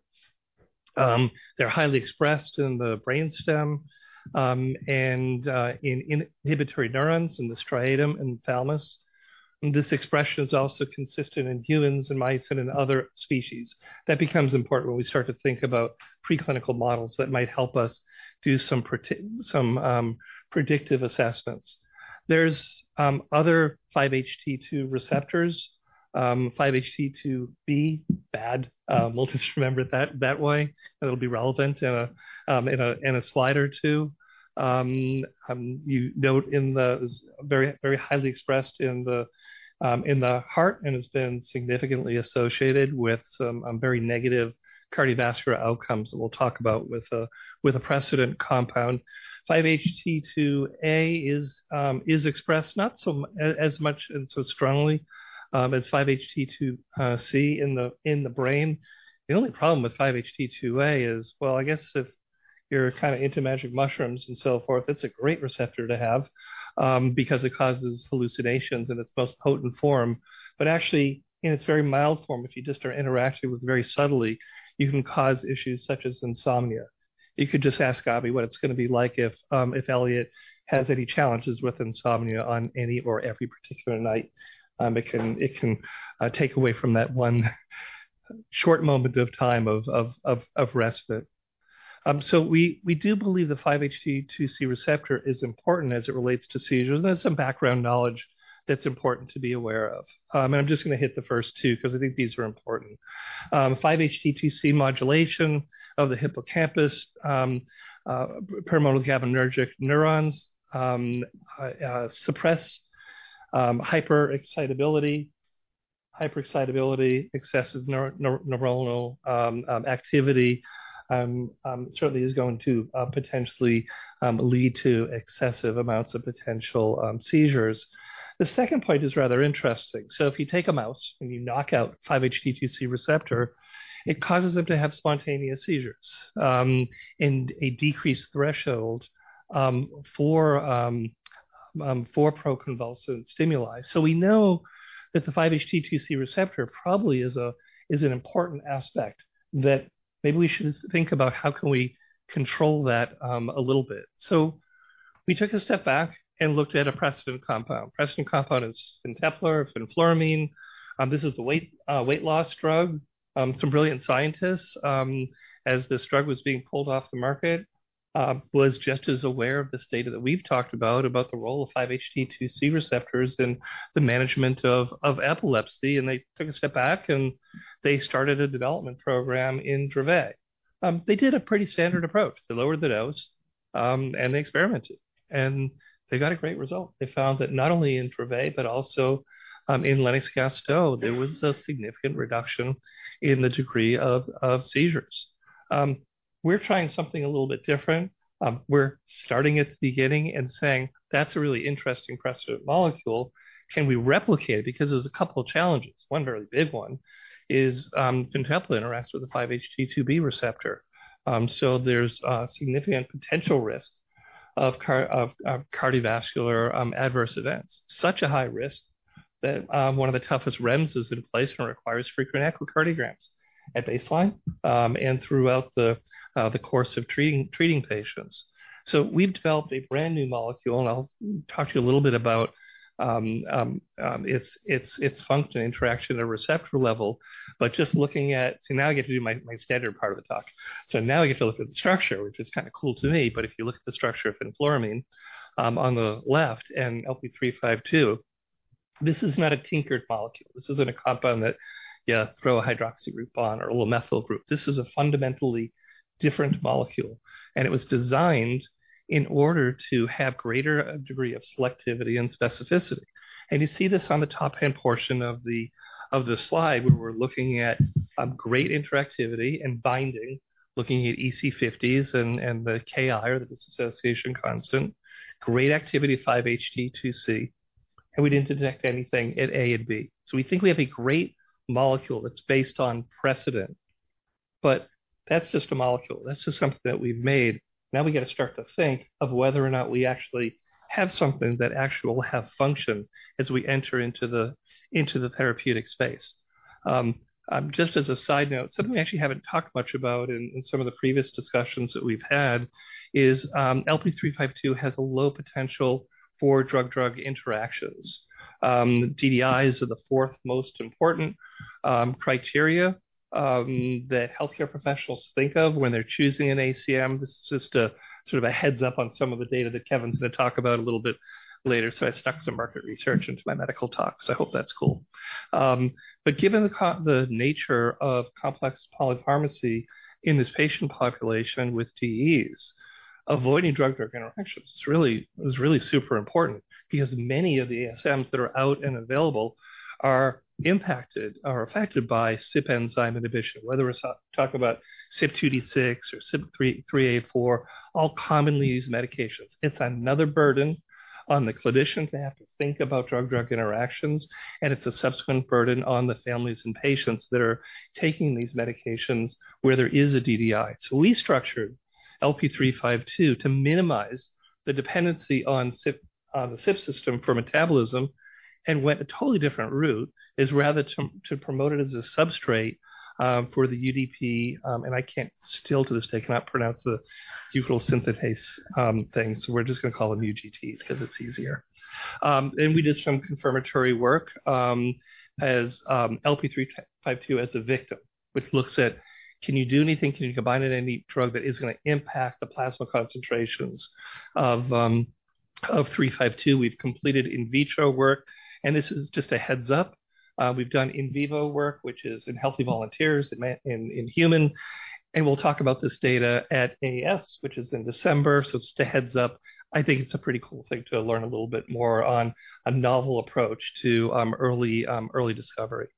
They're highly expressed in the brainstem, and in inhibitory neurons, in the striatum, and thalamus. And this expression is also consistent in humans, in mice, and in other species. That becomes important when we start to think about preclinical models that might help us do some predictive assessments. There's other 5-HT2 receptors, 5-HT2B, bad. We'll just remember that way, and it'll be relevant in a slide or two. You note in the. It was very, very highly expressed in the heart and has been significantly associated with some very negative cardiovascular outcomes that we'll talk about with a precedent compound. 5-HT2A is expressed not so much and so strongly as 5-HT2C in the brain. The only problem with 5-HT2A is, well, I guess if you're kind of into magic mushrooms and so forth, it's a great receptor to have, because it causes hallucinations in its most potent form. But actually, in its very mild form, if you just are interacting with very subtly, you can cause issues such as insomnia. You could just ask Gabi what it's gonna be like if Elliot has any challenges with insomnia on any or every particular night. It can take away from that one short moment of time of respite. So we do believe the 5-HT2C receptor is important as it relates to seizures, and there's some background knowledge that's important to be aware of. And I'm just going to hit the first two because I think these are important. 5-HT2C modulation of the hippocampus pyramidal GABAergic neurons suppress hyperexcitability. Hyperexcitability, excessive neuronal activity, certainly is going to potentially lead to excessive amounts of potential seizures. The second point is rather interesting. So if you take a mouse and you knock out 5-HT2C receptor, it causes them to have spontaneous seizures, and a decreased threshold for pro-convulsive stimuli. So we know that the 5-HT2C receptor probably is an important aspect that maybe we should think about how can we control that a little bit. So we took a step back and looked at a precedent compound. Precedent compound is fenfluramine. This is a weight loss drug. Some brilliant scientists, as this drug was being pulled off the market, was just as aware of this data that we've talked about, about the role of 5-HT2C receptors in the management of epilepsy, and they took a step back, and they started a development program in Dravet. They did a pretty standard approach. They lowered the dose, and they experimented, and they got a great result. They found that not only in Dravet, but also in Lennox-Gastaut, there was a significant reduction in the degree of seizures. We're trying something a little bit different. We're starting at the beginning and saying: That's a really interesting precedent molecule. Can we replicate it? Because there's a couple of challenges. One very big one is, fenfluramine interacts with the 5-HT2B receptor. So there's a significant potential risk of cardiovascular adverse events, such a high risk that one of the toughest REMS is in place and requires frequent echocardiograms at baseline, and throughout the course of treating patients. So we've developed a brand-new molecule, and I'll talk to you a little bit about its function and interaction at a receptor level, but just looking at... So now I get to do my standard part of the talk. So now I get to look at the structure, which is kind of cool to me, but if you look at the structure of fenfluramine on the left, and LP352, this is not a tinkered molecule. This isn't a compound that you throw a hydroxy group on or a little methyl group. This is a fundamentally different molecule, and it was designed in order to have greater degree of selectivity and specificity. You see this on the top-hand portion of the slide, where we're looking at a great interactivity and binding, looking at EC50s and the Ki, or the dissociation constant. Great activity, 5-HT2C, and we didn't detect anything at A and B. So we think we have a great molecule that's based on precedent, but that's just a molecule. That's just something that we've made. Now we got to start to think of whether or not we actually have something that actually will have function as we enter into the therapeutic space. Just as a side note, something we actually haven't talked much about in some of the previous discussions that we've had is LP352 has a low potential for drug-drug interactions. DDIs are the fourth most important criteria that healthcare professionals think of when they're choosing an ACM. This is just a, sort of a heads up on some of the data that Kevin's going to talk about a little bit later. I stuck some market research into my medical talks. I hope that's cool. Given the nature of complex polypharmacy in this patient population with DEEs, avoiding drug-drug interactions is really, is really super important because many of the ASMs that are out and available are impacted or affected by CYP enzyme inhibition. Whether we're talking about CYP2D6 or CYP3A4, all commonly used medications. It's another burden on the clinicians. They have to think about drug-drug interactions, and it's a subsequent burden on the families and patients that are taking these medications where there is a DDI. We structured LP352 to minimize the dependency on CYP, on the CYP system for metabolism, and went a totally different route, rather to promote it as a substrate for the UDP, and I still to this day cannot pronounce the UGT thing, so we're just going to call them UGTs because it's easier. We did some confirmatory work, as LP352 as a victim, which looks at can you do anything? Can you combine it in any drug that is going to impact the plasma concentrations of 352? We've completed in vitro work, and this is just a heads up. We've done in vivo work, which is in healthy volunteers, in human, and we'll talk about this data at AES, which is in December. So just a heads up. I think it's a pretty cool thing to learn a little bit more on a novel approach to early discovery.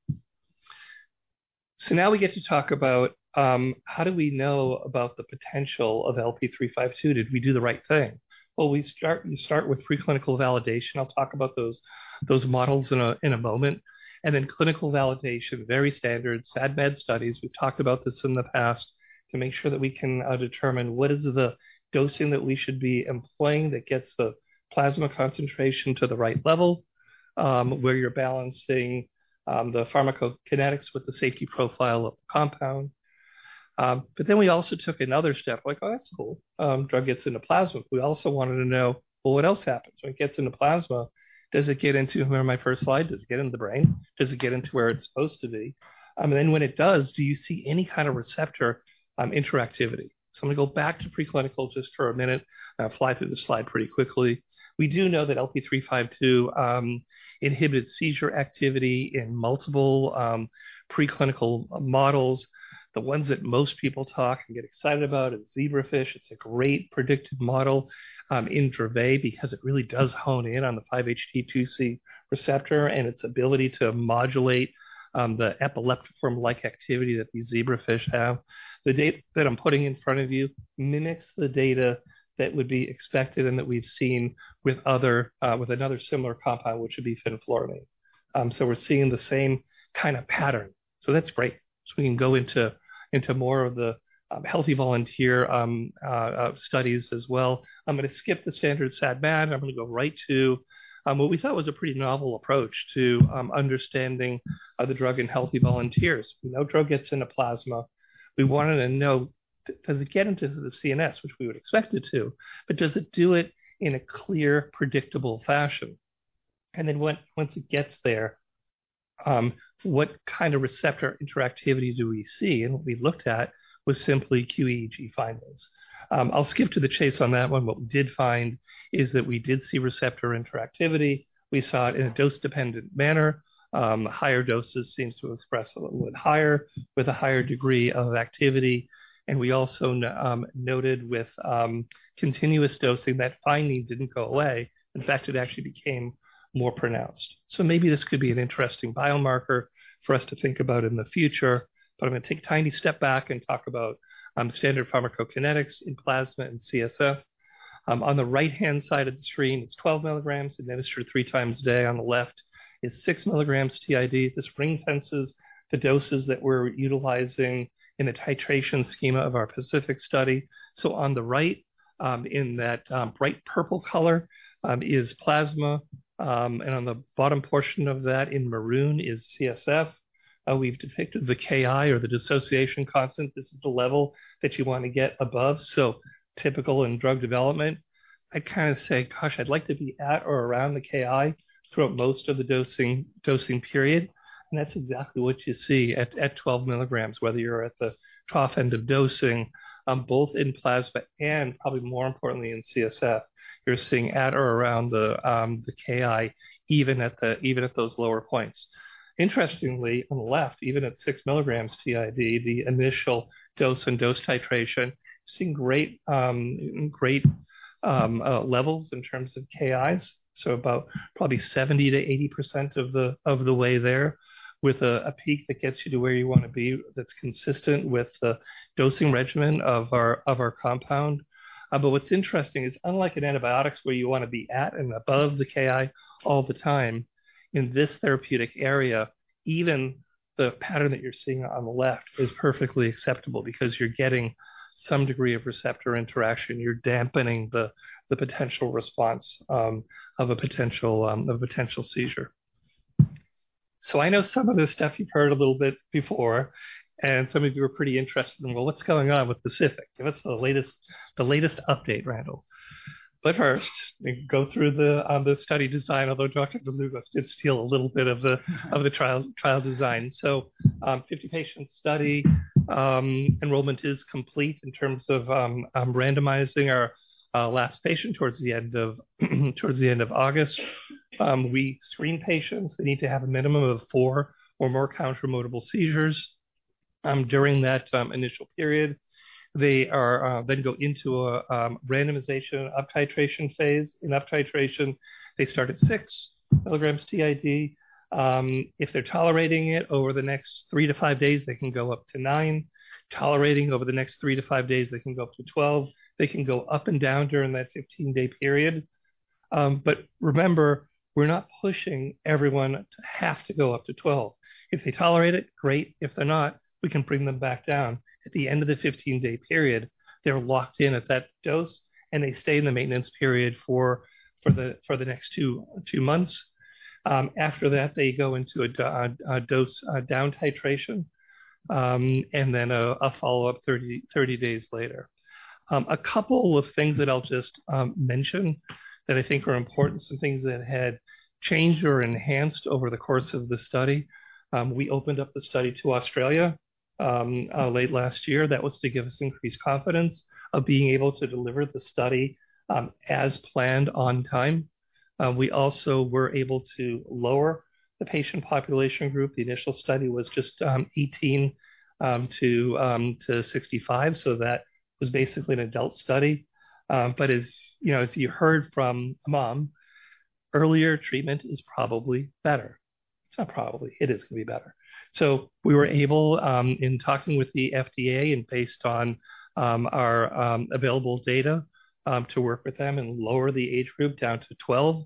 So now we get to talk about how do we know about the potential of LP352? Did we do the right thing? Well, we start with preclinical validation. I'll talk about those models in a moment. Then clinical validation, very standard, SAD MAD studies. We've talked about this in the past, to make sure that we can determine what is the dosing that we should be employing that gets the plasma concentration to the right level, where you're balancing the pharmacokinetics with the safety profile of the compound. But then we also took another step, like, oh, that's cool, drug gets into plasma. We also wanted to know, well, what else happens when it gets into plasma? Does it get into—remember my first slide, does it get into the brain? Does it get into where it's supposed to be? And then when it does, do you see any kind of receptor interactivity? So I'm gonna go back to preclinical just for a minute, fly through the slide pretty quickly. We do know that LP352 inhibits seizure activity in multiple preclinical models. The ones that most people talk and get excited about is zebrafish. It's a great predictive model in Dravet, because it really does hone in on the 5-HT2C receptor and its ability to modulate the epileptiform-like activity that these zebrafish have. The data that I'm putting in front of you mimics the data that would be expected and that we've seen with another similar compound, which would be fenofibrate. We're seeing the same kind of pattern. That's great. We can go into more of the healthy volunteer studies as well. I'm gonna skip the standard SAD and MAD, and I'm gonna go right to what we thought was a pretty novel approach to understanding the drug in healthy volunteers. We know drug gets into plasma. We wanted to know, does it get into the CNS? Which we would expect it to, but does it do it in a clear, predictable fashion? And then once it gets there, what kind of receptor interactivity do we see? And what we looked at was simply qEEG findings. I'll skip to the chase on that one. What we did find is that we did see receptor interactivity. We saw it in a dose-dependent manner. Higher doses seems to express a little bit higher, with a higher degree of activity, and we also noted with continuous dosing, that finding didn't go away. In fact, it actually became more pronounced. So maybe this could be an interesting biomarker for us to think about in the future. But I'm going to take a tiny step back and talk about standard pharmacokinetics in plasma and CSF. On the right-hand side of the screen, it's 12 milligrams administered three times a day. On the left, it's 6 milligrams TID. This ring fences the doses that we're utilizing in a titration schema of our PACIFIC Study. So on the right, in that, bright purple color, is plasma. And on the bottom portion of that in maroon is CSF. We've depicted the Ki or the dissociation constant. This is the level that you want to get above, so typical in drug development. I kind of say, gosh, I'd like to be at or around the Ki throughout most of the dosing, dosing period. That's exactly what you see at, at 12 milligrams, whether you're at the trough end of dosing, both in plasma and probably more importantly, in CSF, you're seeing at or around the, the Ki, even at the, even at those lower points. Interestingly, on the left, even at 6 milligrams TID, the initial dose and dose titration, seeing great levels in terms of Ki's. So about probably 70%-80% of the way there, with a peak that gets you to where you want to be, that's consistent with the dosing regimen of our compound. But what's interesting is, unlike in antibiotics, where you want to be at and above the Ki all the time, in this therapeutic area, even the pattern that you're seeing on the left is perfectly acceptable because you're getting some degree of receptor interaction. You're dampening the potential response of a potential seizure. So I know some of this stuff you've heard a little bit before, and some of you are pretty interested in, Well, what's going on with PACIFIC? Give us the latest update, Randall. But first, let me go through the study design, although Dr. Dlugos did steal a little bit of the trial design. So, 50-patient study, enrollment is complete in terms of randomizing our last patient towards the end of August. We screen patients. They need to have a minimum of 4 or more countable, remotable seizures during that initial period. They are then go into a randomization uptitration phase. In uptitration, they start at 6 mg TID. If they're tolerating it over the next 3-5 days, they can go up to 9, tolerating over the next 3-5 days, they can go up to 12. They can go up and down during that 15-day period. Remember, we're not pushing everyone to have to go up to 12. If they tolerate it, great. If they're not, we can bring them back down. At the end of the 15-day period, they're locked in at that dose, and they stay in the maintenance period for the next 2 months. After that, they go into a dose down titration, and then a follow-up 30 days later. A couple of things that I'll just mention that I think are important, some things that had changed or enhanced over the course of the study. We opened up the study to Australia late last year. That was to give us increased confidence of being able to deliver the study as planned on time. We also were able to lower the patient population group. The initial study was just 18 to 65, so that was basically an adult study. But as you know, as you heard from Mom earlier, treatment is probably better. It's not probably, it is going to be better. So we were able, in talking with the FDA and based on our available data, to work with them and lower the age group down to 12,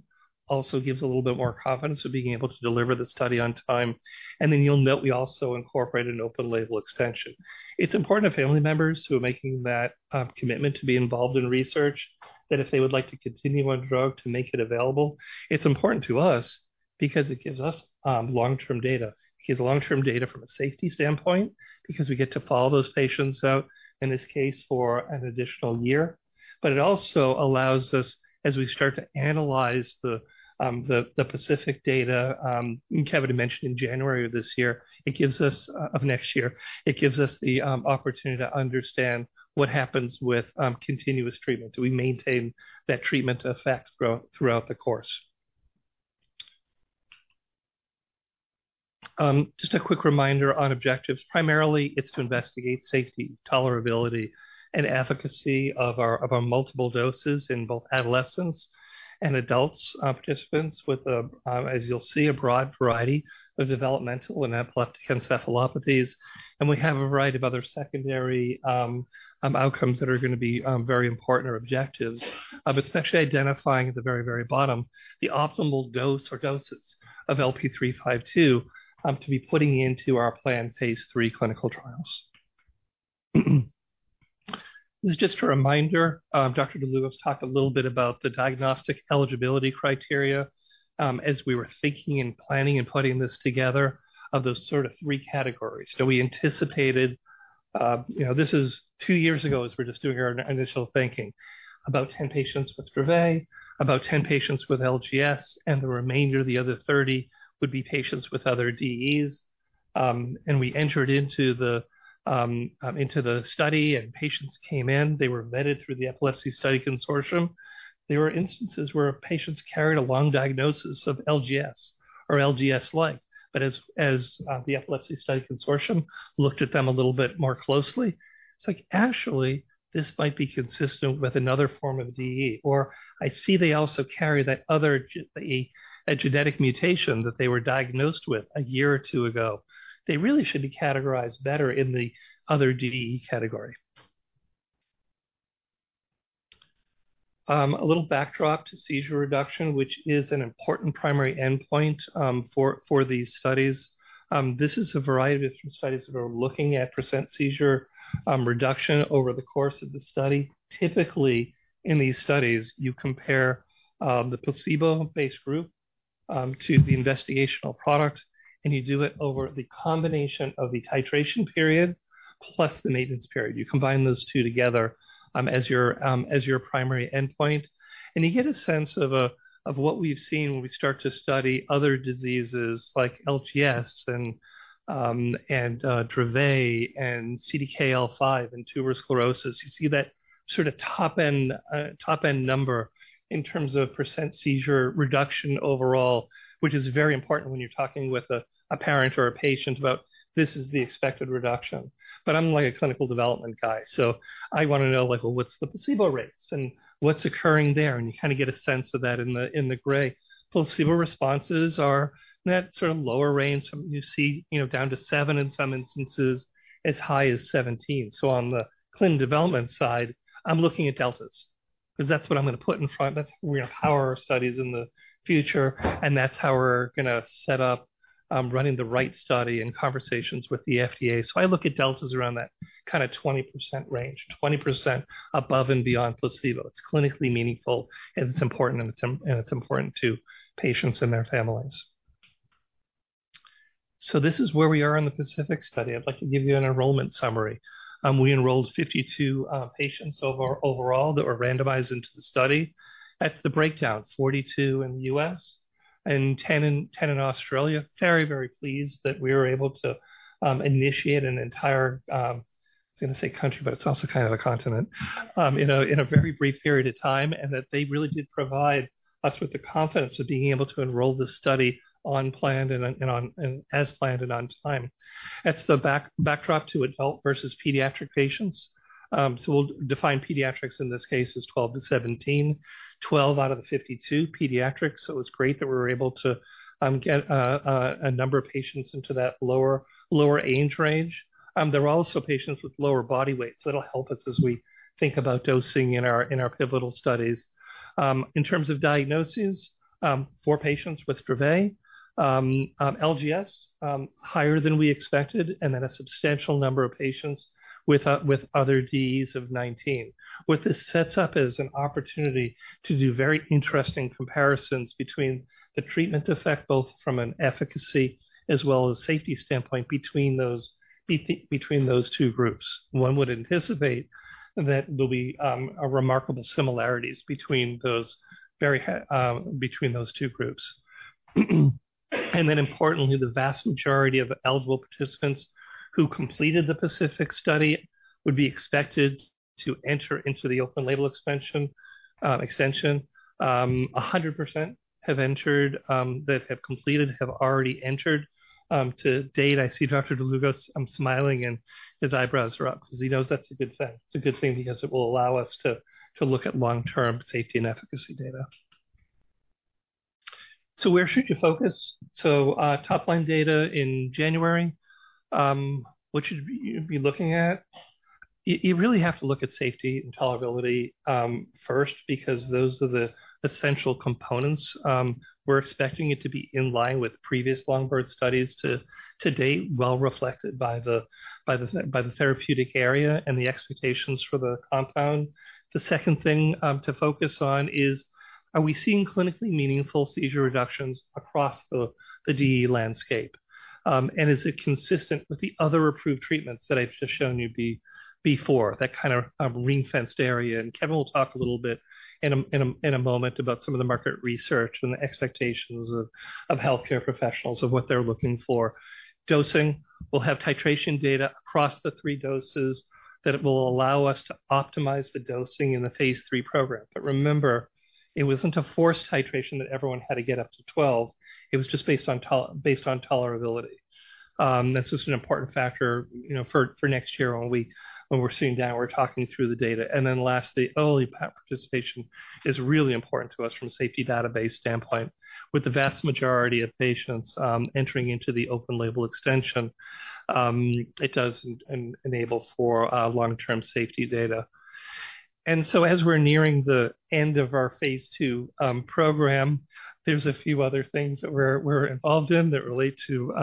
also gives a little bit more confidence of being able to deliver the study on time. And then you'll note we also incorporated an open-label extension. It's important to family members who are making that commitment to be involved in research, that if they would like to continue on drug, to make it available, it's important to us, because it gives us long-term data. It gives long-term data from a safety standpoint, because we get to follow those patients out, in this case, for an additional year. But it also allows us, as we start to analyze the PACIFIC data, Kevin mentioned in January of this year, it gives us of next year, it gives us the opportunity to understand what happens with continuous treatment. Do we maintain that treatment effect throughout the course? Just a quick reminder on objectives. Primarily, it's to investigate safety, tolerability, and efficacy of our multiple doses in both adolescents and adults participants with, as you'll see, a broad variety of developmental and epileptic encephalopathies. And we have a variety of other secondary outcomes that are gonna be very important objectives. But it's actually identifying at the very, very bottom, the optimal dose or doses of LP352 to be putting into our planned phase III clinical trials. This is just a reminder, Dr. Dlugos talked a little bit about the diagnostic eligibility criteria, as we were thinking and planning and putting this together of those sort of three categories. We anticipated, you know, this is two years ago, as we're just doing our initial thinking, about 10 patients with Dravet, about 10 patients with LGS, and the remainder, the other 30, would be patients with other DEEs. We entered into the study, and patients came in. They were vetted through the Epilepsy Study Consortium. There were instances where patients carried a long diagnosis of LGS or LGS-like, but the Epilepsy Study Consortium looked at them a little bit more closely, it's like, actually, this might be consistent with another form of DEE, or I see they also carry that other genetic mutation that they were diagnosed with a year or two ago. They really should be categorized better in the other DEE category. A little backdrop to seizure reduction, which is an important primary endpoint, for these studies. This is a variety of different studies that are looking at percent seizure reduction over the course of the study. Typically, in these studies, you compare the placebo-based group to the investigational product, and you do it over the combination of the titration period plus the maintenance period. You combine those two together as your primary endpoint, and you get a sense of what we've seen when we start to study other diseases like LGS and Dravet and CDKL5 and Tuberous Sclerosis. You see that sort of top-end number in terms of % seizure reduction overall, which is very important when you're talking with a parent or a patient about this is the expected reduction. But I'm like a clinical development guy, so I wanna know, like, what's the placebo rates and what's occurring there? And you kind of get a sense of that in the gray. Placebo responses are in that sort of lower range. You see, you know, down to 7, in some instances as high as 17. So on the clinical development side, I'm looking at deltas, 'cause that's what I'm gonna put in front. That's how our studies in the future, and that's how we're gonna set up running the right study and conversations with the FDA. So I look at deltas around that kind of 20% range, 20% above and beyond placebo. It's clinically meaningful, and it's important, and it's, and it's important to patients and their families. So this is where we are in the PACIFIC Study. I'd like to give you an enrollment summary. We enrolled 52 patients overall that were randomized into the study. That's the breakdown, 42 in the U.S. and 10 in Australia. Very, very pleased that we were able to initiate an entire, I was gonna say country, but it's also kind of a continent, in a very brief period of time, and that they really did provide us with the confidence of being able to enroll this study on plan and as planned and on time. That's the backdrop to adult versus pediatric patients. So we'll define pediatrics in this case as 12-17, 12 out of the 52 pediatrics. So it was great that we were able to get a number of patients into that lower age range. There were also patients with lower body weight, so it'll help us as we think about dosing in our pivotal studies. In terms of diagnoses, for patients with Dravet, LGS, higher than we expected, and then a substantial number of patients with other DEEs of 19. What this sets up is an opportunity to do very interesting comparisons between the treatment effect, both from an efficacy as well as safety standpoint, between those, between those two groups. One would anticipate that there'll be a remarkable similarities between those two groups. And then importantly, the vast majority of eligible participants who completed the PACIFIC Study would be expected to enter into the open-label extension. 100% have entered, that have completed, have already entered, to date. I see Dr. Dlugos, smiling, and his eyebrows are up because he knows that's a good thing. It's a good thing because it will allow us to look at long-term safety and efficacy data. So where should you focus? So, top-line data in January, what should you be looking at? You really have to look at safety and tolerability first, because those are the essential components. We're expecting it to be in line with previous Longboard studies to date, well reflected by the therapeutic area and the expectations for the compound. The second thing to focus on is- Are we seeing clinically meaningful seizure reductions across the DE landscape? And is it consistent with the other approved treatments that I've just shown you before, that kind of ring-fenced area? Kevin will talk a little bit in a moment about some of the market research and the expectations of healthcare professionals of what they're looking for. Dosing, we'll have titration data across the three doses, that it will allow us to optimize the dosing in the phase III program. But remember, it wasn't a forced titration that everyone had to get up to 12, it was just based on tolerability. That's just an important factor, you know, for next year when we're sitting down, we're talking through the data. And then lastly, OLE participation is really important to us from a safety database standpoint. With the vast majority of patients entering into the open-label extension, it does enable for long-term safety data. As we're nearing the end of our phase II program, there's a few other things that we're involved in that relate to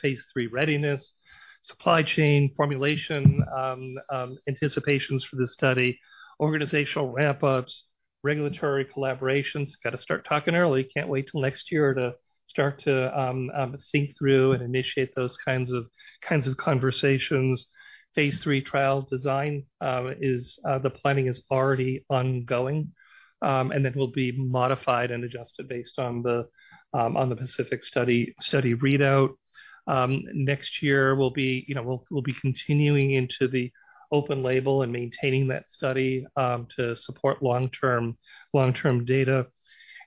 phase III readiness, supply chain, formulation, anticipations for the study, organizational ramp-ups, regulatory collaborations. Got to start talking early, can't wait till next year to start to think through and initiate those kinds of conversations. Phase III trial design is, the planning is already ongoing, and then will be modified and adjusted based on the PACIFIC Study readout. Next year we'll be, you know, we'll be continuing into the open label and maintaining that study to support long-term data,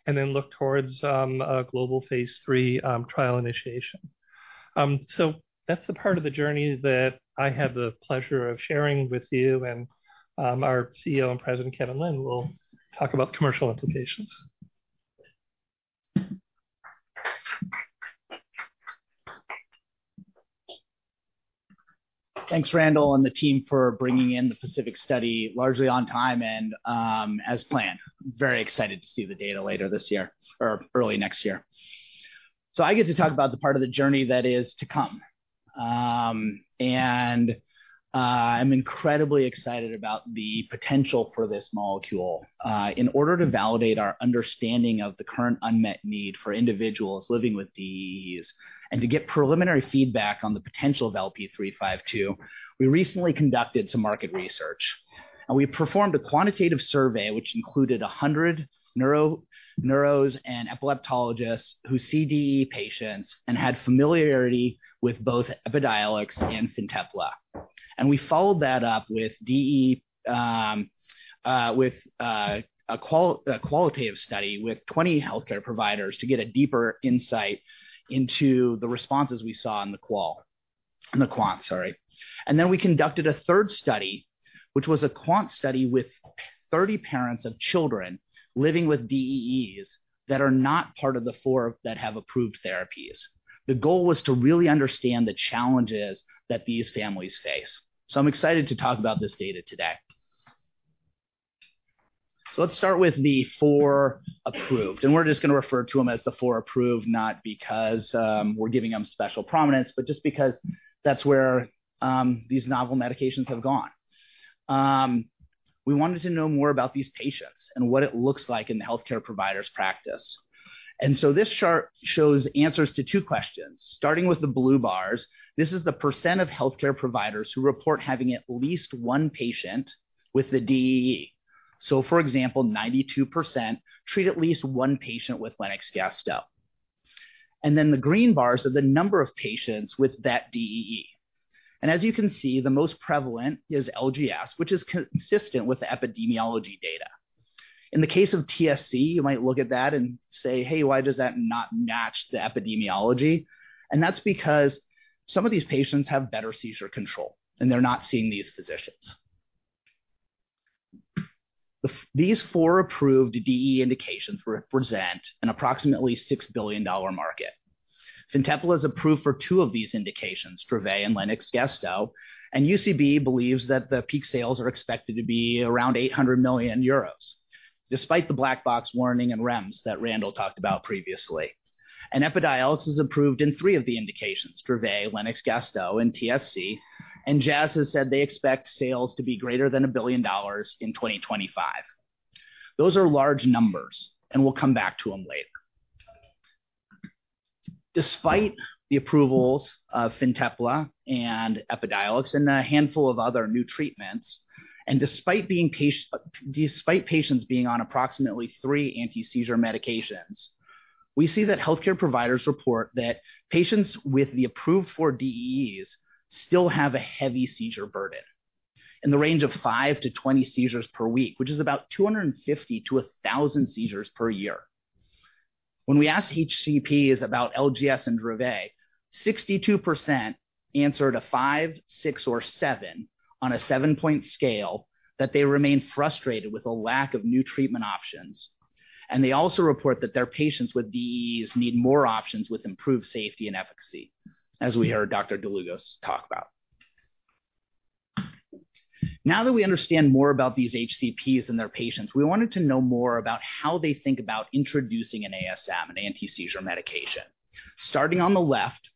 and then look towards a global phase III trial initiation. So that's the part of the journey that I have the pleasure of sharing with you, and our CEO and President, Kevin Lind, will talk about commercial implications. Thanks, Randall and the team for bringing in the PACIFIC Study largely on time and, as planned. Very excited to see the data later this year or early next year. So I get to talk about the part of the journey that is to come. And I'm incredibly excited about the potential for this molecule. In order to validate our understanding of the current unmet need for individuals living with DEEs, and to get preliminary feedback on the potential of LP352, we recently conducted some market research. And we performed a quantitative survey, which included 100 neurologists and epileptologists who see DE patients and had familiarity with both Epidiolex and Fintepla. We followed that up with DEE, a qualitative study with 20 healthcare providers to get a deeper insight into the responses we saw in the quant, sorry. Then we conducted a third study, which was a quant study with 30 parents of children living with DEEs that are not part of the four that have approved therapies. The goal was to really understand the challenges that these families face. I'm excited to talk about this data today. Let's start with the four approved, and we're just going to refer to them as the four approved, not because we're giving them special prominence, but just because that's where these novel medications have gone. We wanted to know more about these patients and what it looks like in the healthcare provider's practice. This chart shows answers to two questions. Starting with the blue bars, this is the percent of healthcare providers who report having at least one patient with the DEE. For example, 92% treat at least one patient with Lennox-Gastaut. Then the green bars are the number of patients with that DEE. As you can see, the most prevalent is LGS, which is consistent with the epidemiology data. In the case of TSC, you might look at that and say, "Hey, why does that not match the epidemiology?" That's because some of these patients have better seizure control, and they're not seeing these physicians. These four approved DEE indications represent an approximately $6 billion market. Fintepla is approved for two of these indications, Dravet and Lennox-Gastaut, and UCB believes that the peak sales are expected to be around 800 million euros, despite the black box warning and REMS that Randall talked about previously. Epidiolex is approved in three of the indications, Dravet, Lennox-Gastaut, and TSC, and Jazz has said they expect sales to be greater than $1 billion in 2025. Those are large numbers, and we'll come back to them later. Despite the approvals of Fintepla and Epidiolex, and a handful of other new treatments, and despite patients being on approximately three anti-seizure medications, we see that healthcare providers report that patients with the approved four DEEs still have a heavy seizure burden in the range of 5-20 seizures per week, which is about 250-1,000 seizures per year. When we asked HCPs about LGS and Dravet, 62% answered a 5, 6, or 7 on a seven-point scale, that they remain frustrated with a lack of new treatment options. They also report that their patients with DEEs need more options with improved safety and efficacy, as we heard Dr. Dlugos talk about. Now that we understand more about these HCPs and their patients, we wanted to know more about how they think about introducing an ASM, an anti-seizure medication. Starting on the left,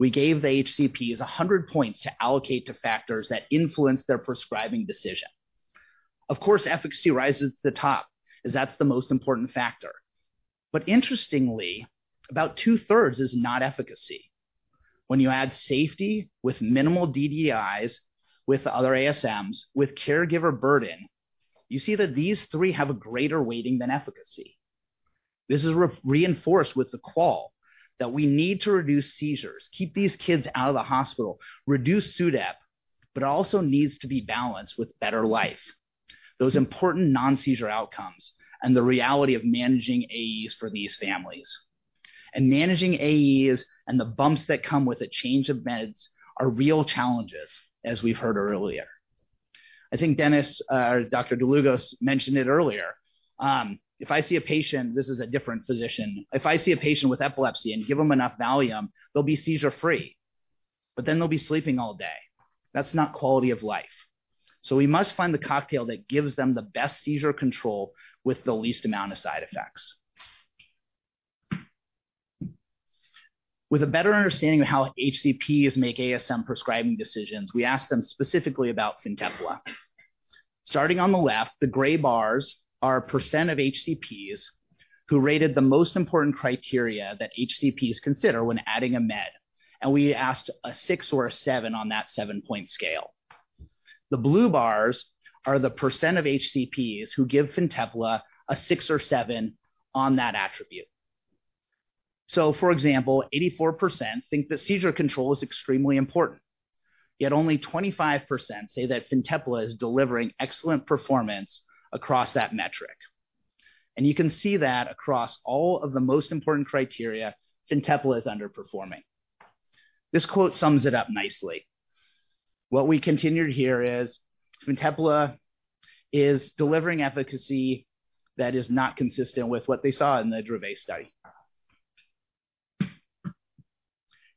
we gave the HCPs 100 points to allocate to factors that influence their prescribing decision. Of course, efficacy rises to the top, as that's the most important factor. Interestingly, about two-thirds is not efficacy. When you add safety with minimal DDIs, with other ASMs, with caregiver burden, you see that these three have a greater weighting than efficacy. This is re-reinforced with the qual, that we need to reduce seizures, keep these kids out of the hospital, reduce SUDEP, but also needs to be balanced with better life. Those important non-seizure outcomes and the reality of managing AEs for these families. And managing AEs and the bumps that come with a change of meds are real challenges, as we've heard earlier. I think Dennis, or Dr. Dlugos mentioned it earlier. If I see a patient, this is a different physician. If I see a patient with epilepsy and give them enough Valium, they'll be seizure free, but then they'll be sleeping all day. That's not quality of life. So we must find the cocktail that gives them the best seizure control with the least amount of side effects. With a better understanding of how HCPs make ASM prescribing decisions, we asked them specifically about Fintepla. Starting on the left, the gray bars are percent of HCPs who rated the most important criteria that HCPs consider when adding a med, and we asked a 6 or a 7 on that seven-point scale. The blue bars are the percent of HCPs who give Fintepla a 6 or 7 on that attribute. For example, 84% think that seizure control is extremely important, yet only 25% say that Fintepla is delivering excellent performance across that metric. You can see that across all of the most important criteria, Fintepla is underperforming. This quote sums it up nicely. What we continued here is, Fintepla is delivering efficacy that is not consistent with what they saw in the Dravet study.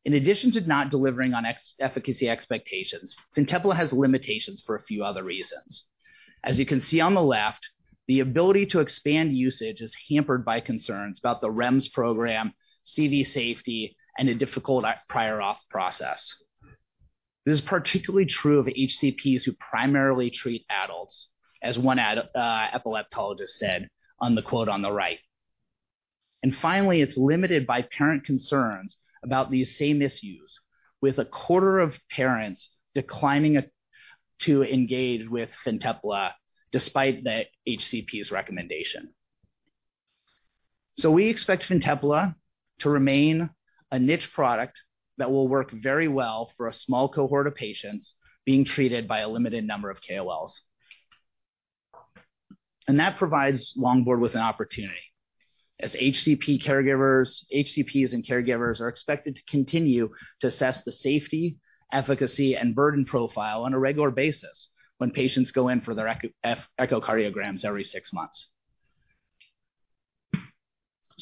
In addition to not delivering on efficacy expectations, Fintepla has limitations for a few other reasons. As you can see on the left, the ability to expand usage is hampered by concerns about the REMS program, CV safety, and a difficult prior auth process. This is particularly true of HCPs who primarily treat adults, as one adult epileptologist said on the quote on the right. Finally, it's limited by parent concerns about these same issues, with a quarter of parents declining to engage with Fintepla despite the HCP's recommendation. So we expect Fintepla to remain a niche product that will work very well for a small cohort of patients being treated by a limited number of KOLs. And that provides Longboard with an opportunity. As HCP caregivers, HCPs and caregivers are expected to continue to assess the safety, efficacy, and burden profile on a regular basis when patients go in for their echo, echocardiograms every six months.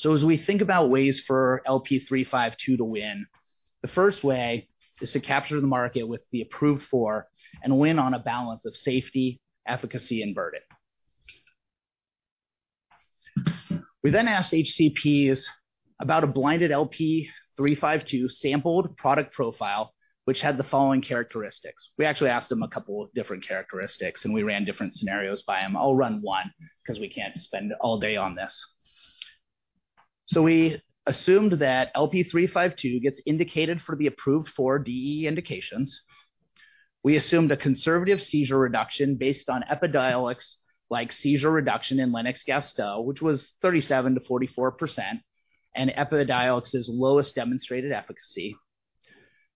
As we think about ways for LP352 to win, the first way is to capture the market with the approved four and win on a balance of safety, efficacy, and burden. We then asked HCPs about a blinded LP352 sampled product profile, which had the following characteristics. We actually asked them a couple of different characteristics, and we ran different scenarios by them. I'll run one because we can't spend all day on this. We assumed that LP352 gets indicated for the approved four DEE indications. We assumed a conservative seizure reduction based on Epidiolex-like seizure reduction in Lennox-Gastaut, which was 37%-44%, and Epidiolex's lowest demonstrated efficacy.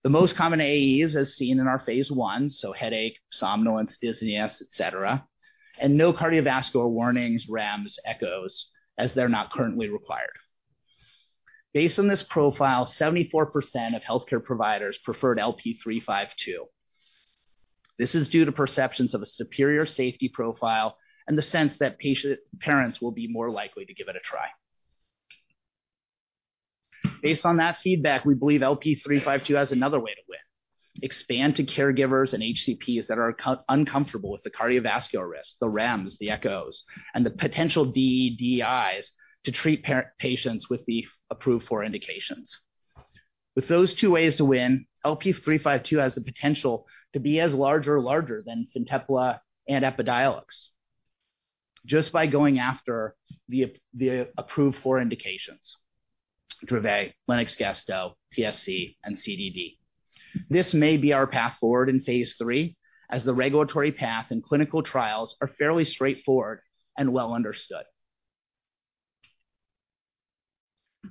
The most common AEs as seen in our phase I, so headache, somnolence, dizziness, et cetera, and no cardiovascular warnings, REMS, echoes, as they're not currently required. Based on this profile, 74% of healthcare providers preferred LP352. This is due to perceptions of a superior safety profile and the sense that patients, parents will be more likely to give it a try. Based on that feedback, we believe LP352 has another way to win. Expand to caregivers and HCPs that are uncomfortable with the cardiovascular risk, the REMS, the echos, and the potential DDIs to treat patients with the approved four indications. With those two ways to win, LP352 has the potential to be as large or larger than Fintepla and Epidiolex, just by going after the approved four indications, Dravet, Lennox-Gastaut, TSC, and CDD. This may be our path forward in phase III, as the regulatory path and clinical trials are fairly straightforward and well understood.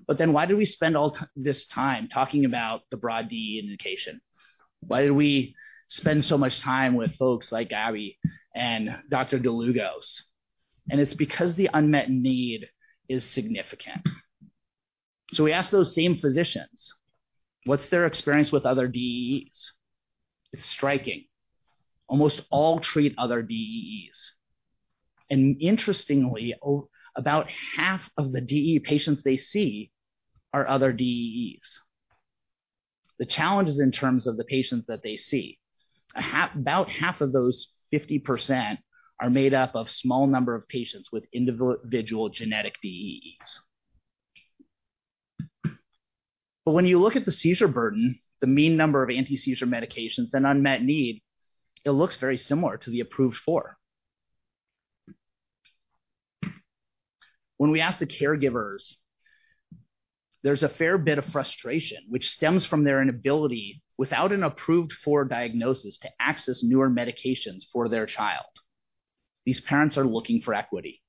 But then why do we spend all this time talking about the broad DE indication? Why do we spend so much time with folks like Abby and Dr. Dlugos? And it's because the unmet need is significant. So we asked those same physicians, what's their experience with other DEEs? It's striking. Almost all treat other DEEs. And interestingly, about half of the DE patients they see are other DEEs. The challenge is in terms of the patients that they see. About half of those 50% are made up of a small number of patients with individual genetic DEEs. But when you look at the seizure burden, the mean number of anti-seizure medications and unmet need, it looks very similar to the approved four. When we ask the caregivers, there's a fair bit of frustration which stems from their inability, without an approved for diagnosis, to access newer medications for their child. These parents are looking for equity.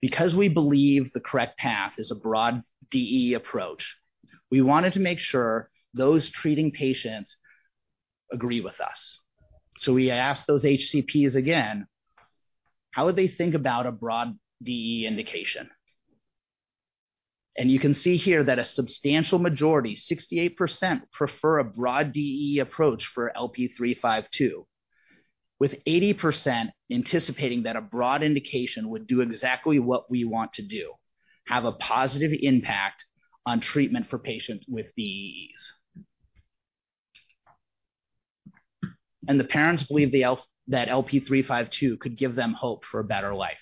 Because we believe the correct path is a broad DEE approach, we wanted to make sure those treating patients agree with us. So we asked those HCPs again, how would they think about a broad DEE indication? And you can see here that a substantial majority, 68%, prefer a broad DEE approach for LP352, with 80% anticipating that a broad indication would do exactly what we want to do, have a positive impact on treatment for patients with DEEs. And the parents believe that LP352 could give them hope for a better life.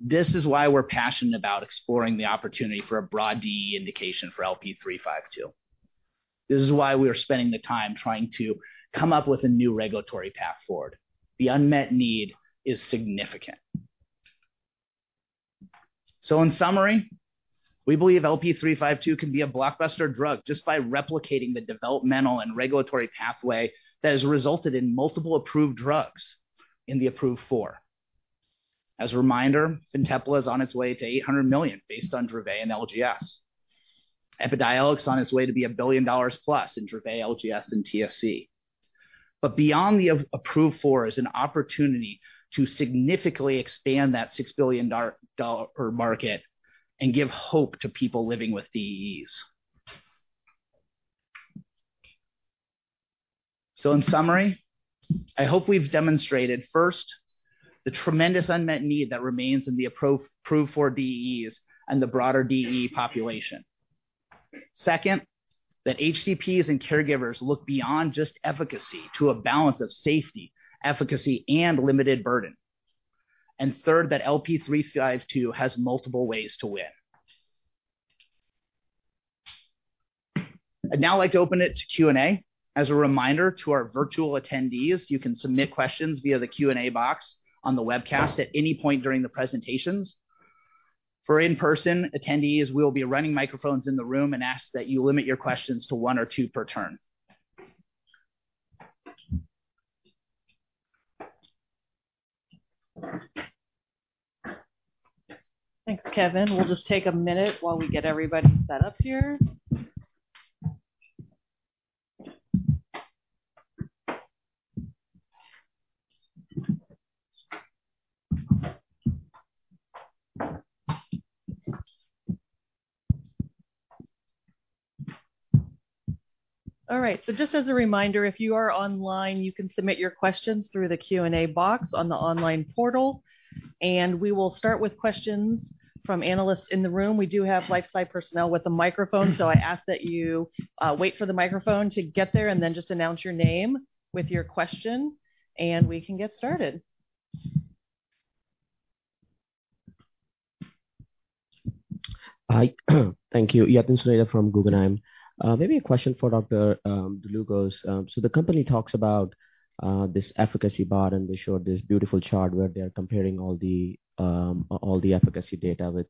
This is why we're passionate about exploring the opportunity for a broad DEE indication for LP352. This is why we are spending the time trying to come up with a new regulatory path forward. The unmet need is significant. So in summary, we believe LP352 can be a blockbuster drug just by replicating the developmental and regulatory pathway that has resulted in multiple approved drugs in the approved four. As a reminder, Fintepla is on its way to 800 million based on Dravet and LGS. Epidiolex is on its way to $1 billion+ in Dravet, LGS, and TSC. But beyond the approved four is an opportunity to significantly expand that $6 billion market and give hope to people living with DEEs. So in summary, I hope we've demonstrated, first, the tremendous unmet need that remains in the approved four DEEs and the broader DEE population. Second, that HCPs and caregivers look beyond just efficacy to a balance of safety, efficacy, and limited burden. And third, that LP352 has multiple ways to win. I'd now like to open it to Q&A. As a reminder to our virtual attendees, you can submit questions via the Q&A box on the webcast at any point during the presentations. For in-person attendees, we'll be running microphones in the room and ask that you limit your questions to one or two per turn. Thanks, Kevin. We'll just take a minute while we get everybody set up here. All right, so just as a reminder, if you are online, you can submit your questions through the Q&A box on the online portal, and we will start with questions from analysts in the room. We do have line personnel with a microphone, so I ask that you wait for the microphone to get there and then just announce your name with your question, and we can get started. Hi. Thank you. Yatin Suneja from Guggenheim. Maybe a question for Dr. Dlugos. So the company talks about this efficacy bar, and they showed this beautiful chart where they are comparing all the efficacy data with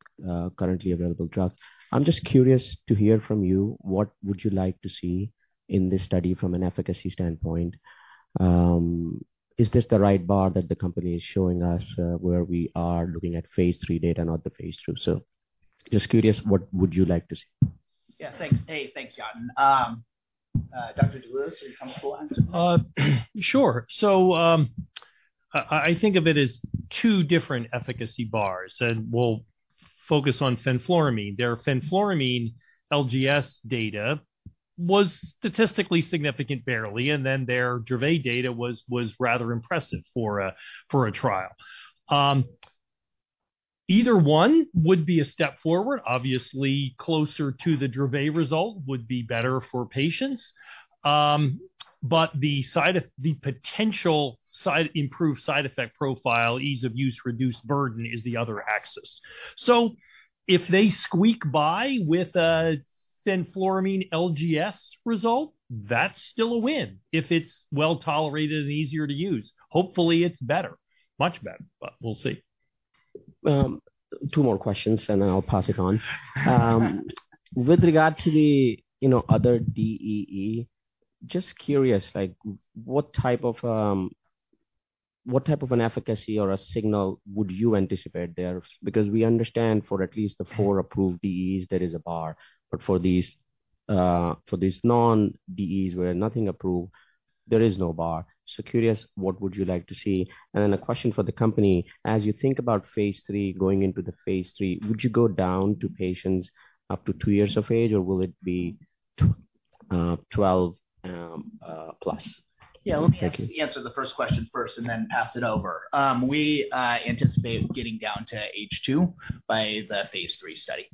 currently available drugs. I'm just curious to hear from you: what would you like to see in this study from an efficacy standpoint? Is this the right bar that the company is showing us, where we are looking at phase III data, not the phase II? So just curious, what would you like to see? Yeah, thanks. Hey, thanks, Yatin. Dr. Dlugos, you wanna come to answer? Sure. I think of it as two different efficacy bars, and we'll focus on fenfluramine. Their fenfluramine LGS data was statistically significant, barely, and then their Dravet data was rather impressive for a trial. Either one would be a step forward. Obviously, closer to the Dravet result would be better for patients. The potential side, improved side effect profile, ease of use, reduced burden is the other axis. If they squeak by with a fenfluramine LGS result, that's still a win if it's well-tolerated and easier to use. Hopefully, it's better, much better, but we'll see. Two more questions, and then I'll pass it on. With regard to the, you know, other DEE, just curious, like, what type of, what type of an efficacy or a signal would you anticipate there? Because we understand for at least the four approved DEEs, there is a bar. But for these, for these non-DEEs, where nothing approved, there is no bar. So curious, what would you like to see? And then a question for the company: As you think about phase III, going into the phase III, would you go down to patients up to two years of age, or will it be two-... 12, plus. Yeah, let me answer the first question first and then pass it over. We anticipate getting down to H2 by the phase III study.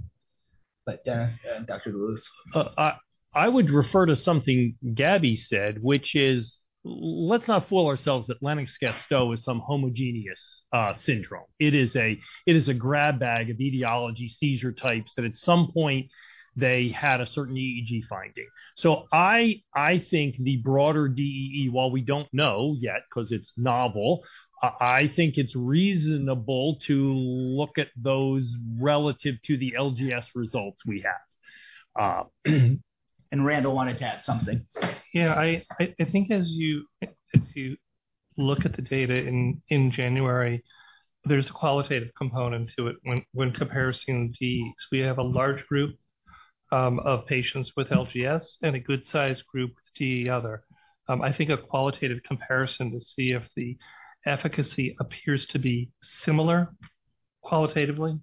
Dr. Dlugos. I would refer to something Gabi said, which is, let's not fool ourselves that Lennox-Gastaut is some homogeneous syndrome. It is a grab bag of etiology seizure types that at some point they had a certain EEG finding. So I think the broader DEE, while we don't know yet, 'cause it's novel, I think it's reasonable to look at those relative to the LGS results we have. Randall wanted to add something. Yeah, I think as you look at the data in January, there's a qualitative component to it when comparison DEEs. We have a large group of patients with LGS and a good size group with DEE other. I think a qualitative comparison to see if the efficacy appears to be similar qualitatively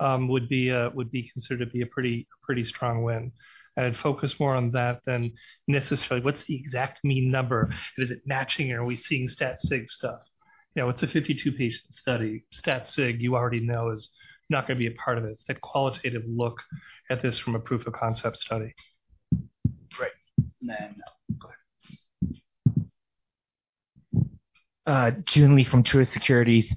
would be considered to be a pretty strong win. I'd focus more on that than necessarily what's the exact mean number, and is it matching, or are we seeing stat sig stuff? You know, it's a 52-patient study. Stat sig, you already know, is not gonna be a part of it. It's a qualitative look at this from a proof of concept study. Great. And then, go ahead. Joon Lee from Truist Securities.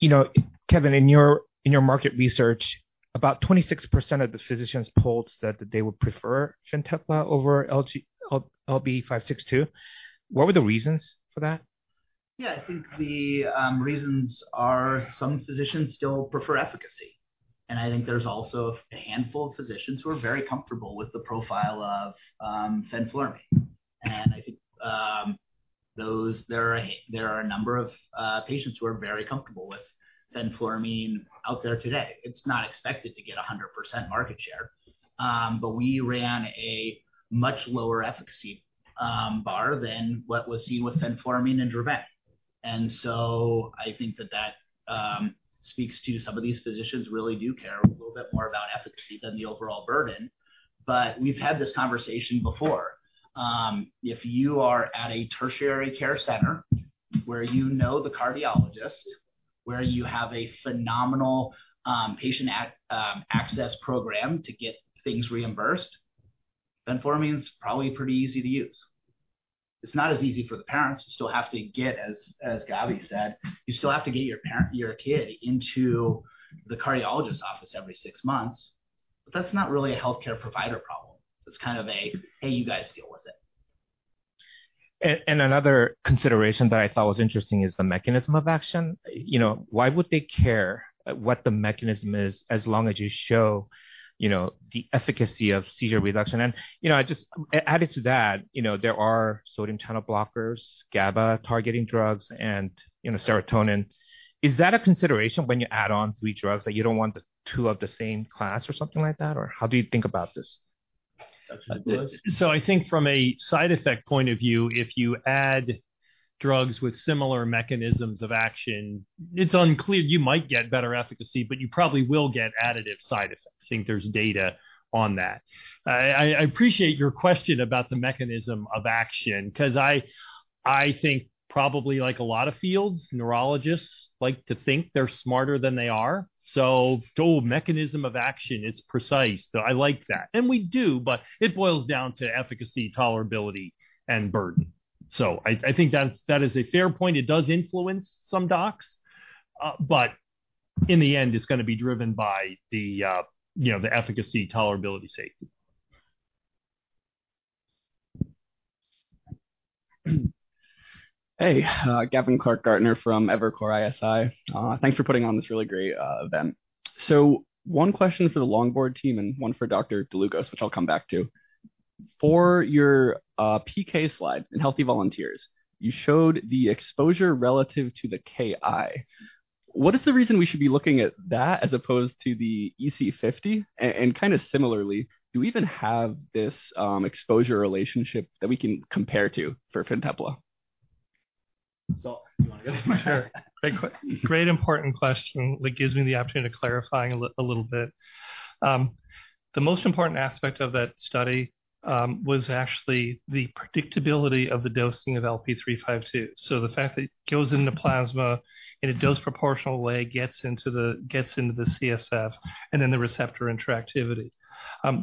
You know, Kevin, in your market research, about 26% of the physicians polled said that they would prefer Fintepla over LG... LP 562. What were the reasons for that? Yeah, I think the reasons are some physicians still prefer efficacy. And I think there's also a handful of physicians who are very comfortable with the profile of fenfluramine. And I think those... There are a number of patients who are very comfortable with fenfluramine out there today. It's not expected to get 100% market share. But we ran a much lower efficacy bar than what was seen with fenfluramine and Dravet. And so I think that that speaks to some of these physicians really do care a little bit more about efficacy than the overall burden. But we've had this conversation before. If you are at a tertiary care center where you know the cardiologist, where you have a phenomenal patient access program to get things reimbursed, fenfluramine is probably pretty easy to use. It's not as easy for the parents, you still have to get, as Gabi said, you still have to get your kid into the cardiologist's office every six months. But that's not really a healthcare provider problem. It's kind of a, "Hey, you guys deal with it. Another consideration that I thought was interesting is the mechanism of action. You know, why would they care what the mechanism is as long as you show, you know, the efficacy of seizure reduction? And, you know, I just added to that, you know, there are sodium channel blockers, GABA-targeting drugs, and, you know, serotonin. Is that a consideration when you add on three drugs, that you don't want two of the same class or something like that? Or how do you think about this? Dr. Dlugos. I think from a side effect point of view, if you add drugs with similar mechanisms of action, it's unclear. You might get better efficacy, but you probably will get additive side effects. I think there's data on that. I appreciate your question about the mechanism of action, 'cause I think probably like a lot of fields, neurologists like to think they're smarter than they are. So goal mechanism of action, it's precise, so I like that. And we do, but it boils down to efficacy, tolerability, and burden. I think that is a fair point. It does influence some docs, you know, but in the end, it's gonna be driven by the, you know, the efficacy, tolerability, safety. Hey, Gavin Clark Gartner from Evercore ISI. Thanks for putting on this really great event. So one question for the Longboard team and one for Dr. Dlugos, which I'll come back to. For your PK slide in healthy volunteers, you showed the exposure relative to the Ki. What is the reason we should be looking at that as opposed to the EC50? And kind of similarly, do we even have this exposure relationship that we can compare to for Fintepla? So you wanna go for it? Sure. Great important question that gives me the opportunity to clarify a little bit. The most important aspect of that study was actually the predictability of the dosing of LP352. The fact that it goes in the plasma, in a dose-proportional way, gets into the CSF and then the receptor intractability.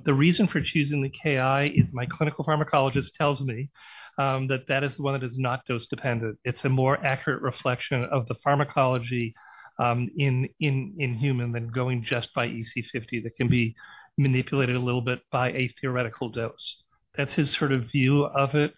The reason for choosing the Ki is my clinical pharmacologist tells me that that is the one that is not dose-dependent. It's a more accurate reflection of the pharmacology in human than going just by EC50, that can be manipulated a little bit by a theoretical dose. That's his sort of view of it.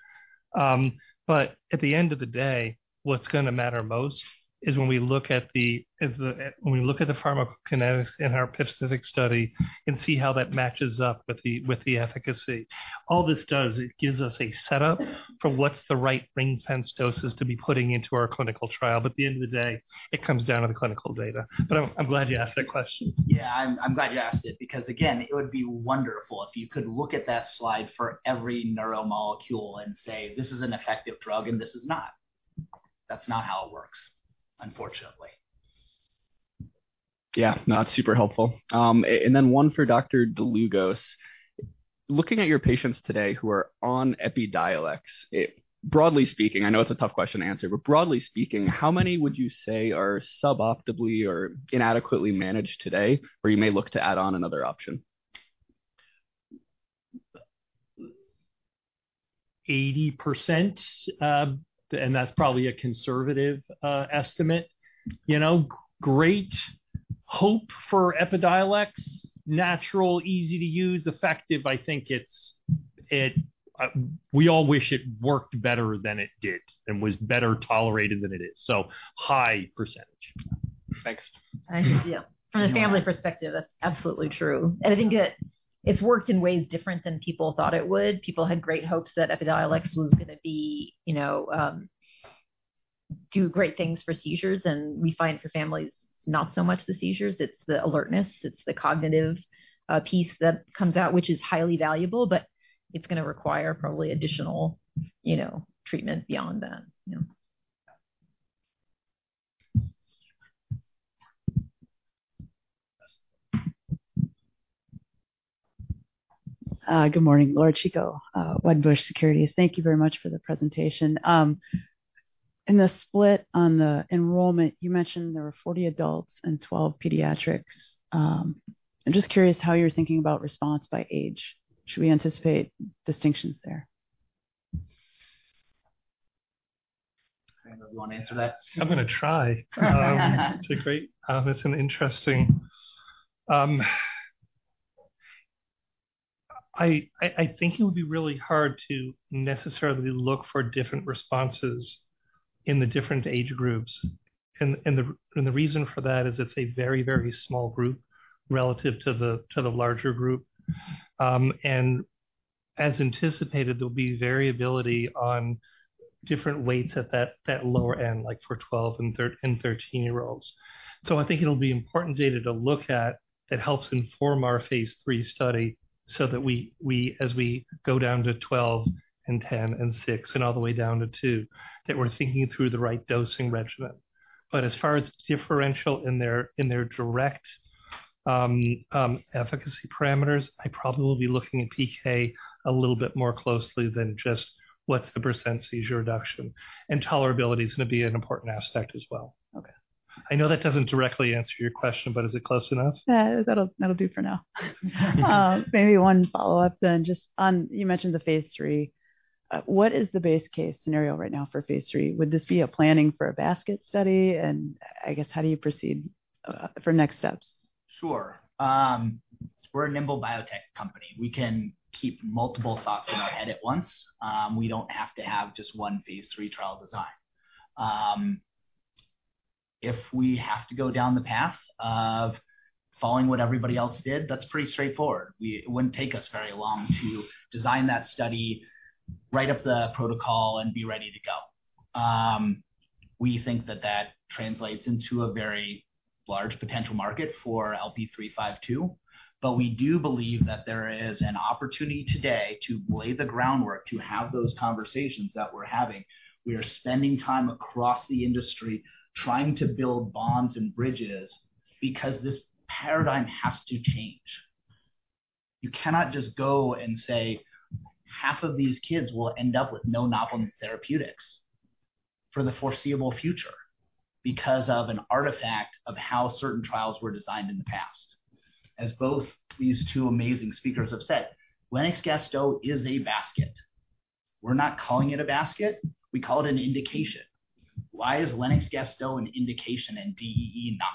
At the end of the day, what's gonna matter most is when we look at the, is the, at... When we look at the pharmacokinetics in our specific study and see how that matches up with the efficacy. All this does, it gives us a setup for what's the right ring fence doses to be putting into our clinical trial, but at the end of the day, it comes down to the clinical data. But I'm glad you asked that question. Yeah, I'm glad you asked it, because, again, it would be wonderful if you could look at that slide for every neuromolecule and say: This is an effective drug, and this is not. That's not how it works, unfortunately.... Yeah, no, that's super helpful. And then one for Dr. Dlugos. Looking at your patients today who are on Epidiolex, it, broadly speaking, I know it's a tough question to answer, but broadly speaking, how many would you say are sub-optimally or inadequately managed today, where you may look to add on another option? 80%, and that's probably a conservative estimate. You know, great hope for Epidiolex. Natural, easy to use, effective. I think we all wish it worked better than it did and was better tolerated than it is, so high percentage. Thanks. Yeah. From a family perspective, that's absolutely true. And I think it's worked in ways different than people thought it would. People had great hopes that Epidiolex was gonna be, you know, do great things for seizures, and we find for families, not so much the seizures, it's the alertness, it's the cognitive piece that comes out, which is highly valuable, but it's gonna require probably additional, you know, treatment beyond that, you know. Good morning, Laura Chico, Wedbush Securities. Thank you very much for the presentation. In the split on the enrollment, you mentioned there were 40 adults and 12 pediatrics. I'm just curious how you're thinking about response by age. Should we anticipate distinctions there? Randall, you want to answer that? I'm gonna try. It's a great, it's an interesting... I think it would be really hard to necessarily look for different responses in the different age groups. And the reason for that is it's a very, very small group relative to the larger group. And as anticipated, there'll be variability on different weights at that lower end, like for 12- and 13-year-olds. So I think it'll be important data to look at, that helps inform our phase III study, so that we, as we go down to 12 and 10 and 6, and all the way down to 2, that we're thinking through the right dosing regimen. But as far as differential in their direct efficacy parameters, I probably will be looking at PK a little bit more closely than just what's the % seizure reduction. And tolerability is gonna be an important aspect as well. Okay. I know that doesn't directly answer your question, but is it close enough? Yeah, that'll, that'll do for now. Maybe one follow-up then, just on, you mentioned the phase III. What is the base case scenario right now for phase III? Would this be a planning for a basket study? And I guess, how do you proceed, for next steps? Sure. We're a nimble biotech company. We can keep multiple thoughts in our head at once. We don't have to have just one phase III trial design. If we have to go down the path of following what everybody else did, that's pretty straightforward. It wouldn't take us very long to design that study, write up the protocol, and be ready to go. We think that that translates into a very large potential market for LP352. But we do believe that there is an opportunity today to lay the groundwork, to have those conversations that we're having. We are spending time across the industry trying to build bonds and bridges because this paradigm has to change. You cannot just go and say, half of these kids will end up with no novel therapeutics for the foreseeable future because of an artifact of how certain trials were designed in the past. As both these two amazing speakers have said, Lennox-Gastaut is a basket. We're not calling it a basket, we call it an indication. Why is Lennox-Gastaut an indication and DEE not?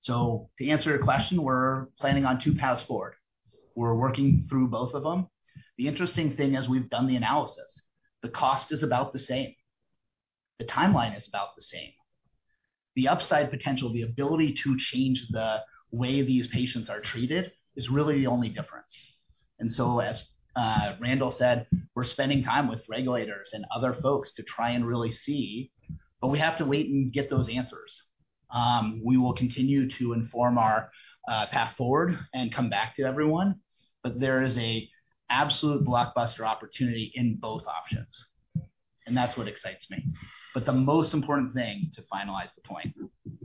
So to answer your question, we're planning on two paths forward. We're working through both of them. The interesting thing is, we've done the analysis. The cost is about the same. The timeline is about the same. The upside potential, the ability to change the way these patients are treated, is really the only difference. And so as Randall said, we're spending time with regulators and other folks to try and really see, but we have to wait and get those answers. We will continue to inform our path forward and come back to everyone, but there is an absolute blockbuster opportunity in both options, and that's what excites me. But the most important thing, to finalize the point,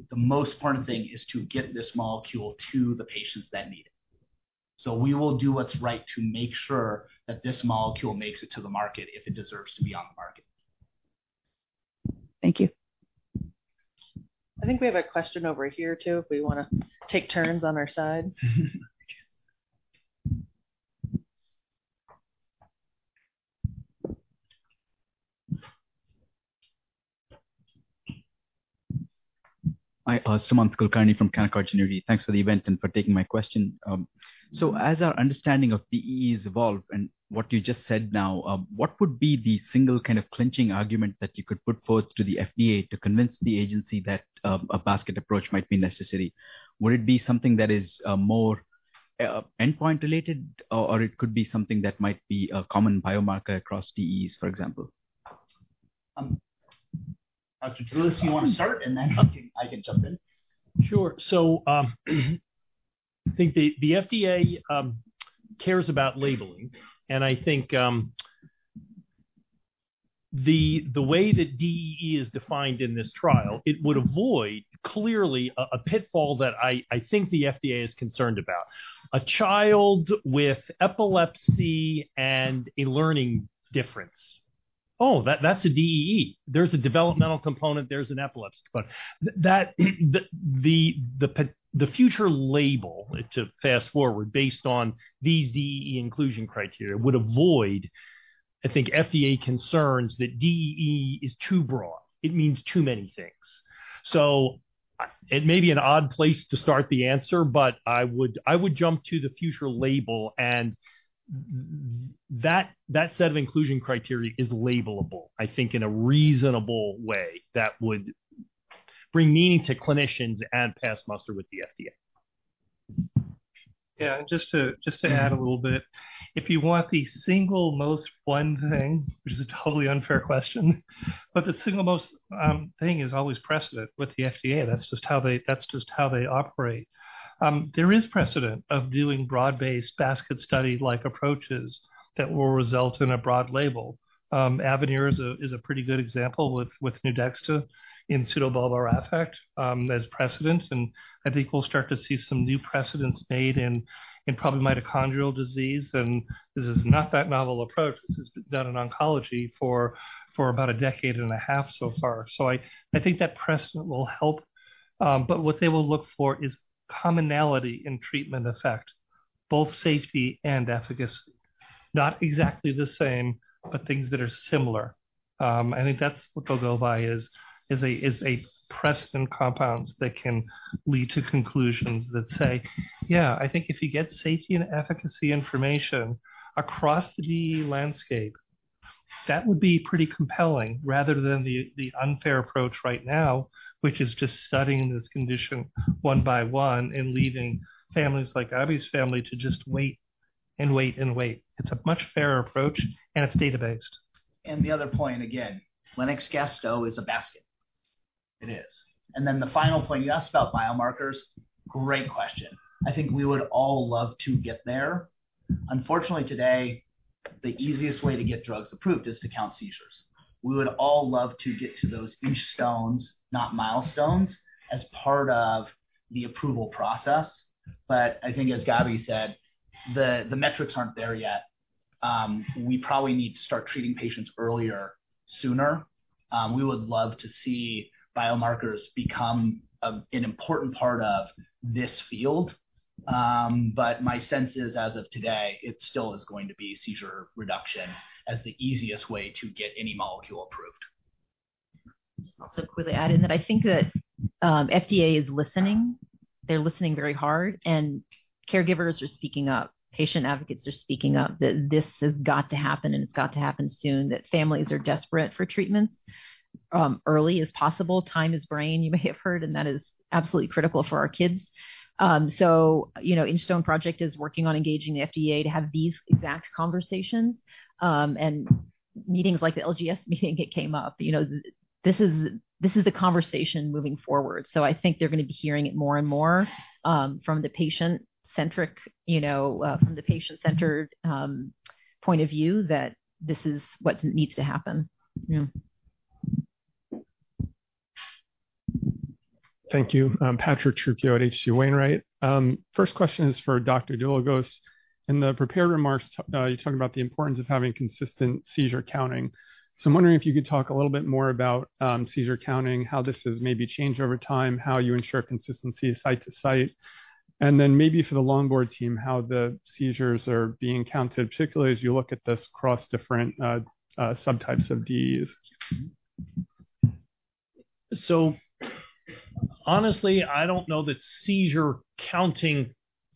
the most important thing is to get this molecule to the patients that need it. So we will do what's right to make sure that this molecule makes it to the market if it deserves to be on the market. Thank you. I think we have a question over here, too, if we wanna take turns on our side. Mm-hmm. Hi, Sumant Kulkarni from Canaccord Genuity. Thanks for the event and for taking my question. So as our understanding of DEEs evolve and what you just said now, what would be the single kind of clinching argument that you could put forth to the FDA to convince the agency that a basket approach might be necessary? Would it be something that is more endpoint related, or it could be something that might be a common biomarker across DEEs, for example? Dr. Dlugos, you want to start, and then I can jump in. Sure. So, I think the FDA cares about labeling, and I think,... the way that DEE is defined in this trial, it would avoid, clearly, a pitfall that I think the FDA is concerned about. A child with epilepsy and a learning difference. Oh, that's a DEE. There's a developmental component, there's an epilepsy component. But that, the future label, to fast forward, based on these DEE inclusion criteria, would avoid, I think, FDA concerns that DEE is too broad. It means too many things. So it may be an odd place to start the answer, but I would jump to the future label, and that set of inclusion criteria is labelable, I think, in a reasonable way that would bring meaning to clinicians and pass muster with the FDA. Yeah, just to, just to add a little bit. If you want the single most one thing, which is a totally unfair question, but the single most, thing is always precedent with the FDA. That's just how they, that's just how they operate. There is precedent of doing broad-based basket study-like approaches that will result in a broad label. Avanir is a, is a pretty good example with, with Nuedexta in pseudobulbar affect, as precedent, and I think we'll start to see some new precedents made in, in probably mitochondrial disease. And this is not that novel approach. This has been done in oncology for, for about a decade and a half so far. So I, I think that precedent will help. But what they will look for is commonality in treatment effect, both safety and efficacy. Not exactly the same, but things that are similar. I think that's what they'll go by, is a precedent compounds that can lead to conclusions that say: Yeah, I think if you get safety and efficacy information across the landscape, that would be pretty compelling, rather than the unfair approach right now, which is just studying this condition one by one and leaving families like Abby's family to just wait and wait and wait. It's a much fairer approach, and it's data-based. The other point, again, Lennox-Gastaut is a basket. It is. Then the final point, you asked about biomarkers. Great question. I think we would all love to get there. Unfortunately, today, the easiest way to get drugs approved is to count seizures. We would all love to get to those inchstones, not milestones, as part of the approval process. But I think, as Gabi said, the metrics aren't there yet. We probably need to start treating patients earlier, sooner. We would love to see biomarkers become an important part of this field. But my sense is, as of today, it still is going to be seizure reduction as the easiest way to get any molecule approved. Just also quickly add in that I think that FDA is listening. They're listening very hard, and caregivers are speaking up, patient advocates are speaking up, that this has got to happen, and it's got to happen soon, that families are desperate for treatments early as possible. Time is brain, you may have heard, and that is absolutely critical for our kids. So, you know, Inchstone Project is working on engaging the FDA to have these exact conversations, and meetings like the LGS meeting, it came up. You know, this is, this is the conversation moving forward. So I think they're gonna be hearing it more and more from the patient-centric, you know, from the patient-centered point of view, that this is what needs to happen. Yeah. Thank you. I'm Patrick Trucchio at H.C. Wainwright. First question is for Dr. Dlugos. In the prepared remarks, you talked about the importance of having consistent seizure counting. So I'm wondering if you could talk a little bit more about seizure counting, how this has maybe changed over time, how you ensure consistency site to site, and then maybe for the Longboard team, how the seizures are being counted, particularly as you look at this across different subtypes of DEEs. So honestly, I don't know that seizure counting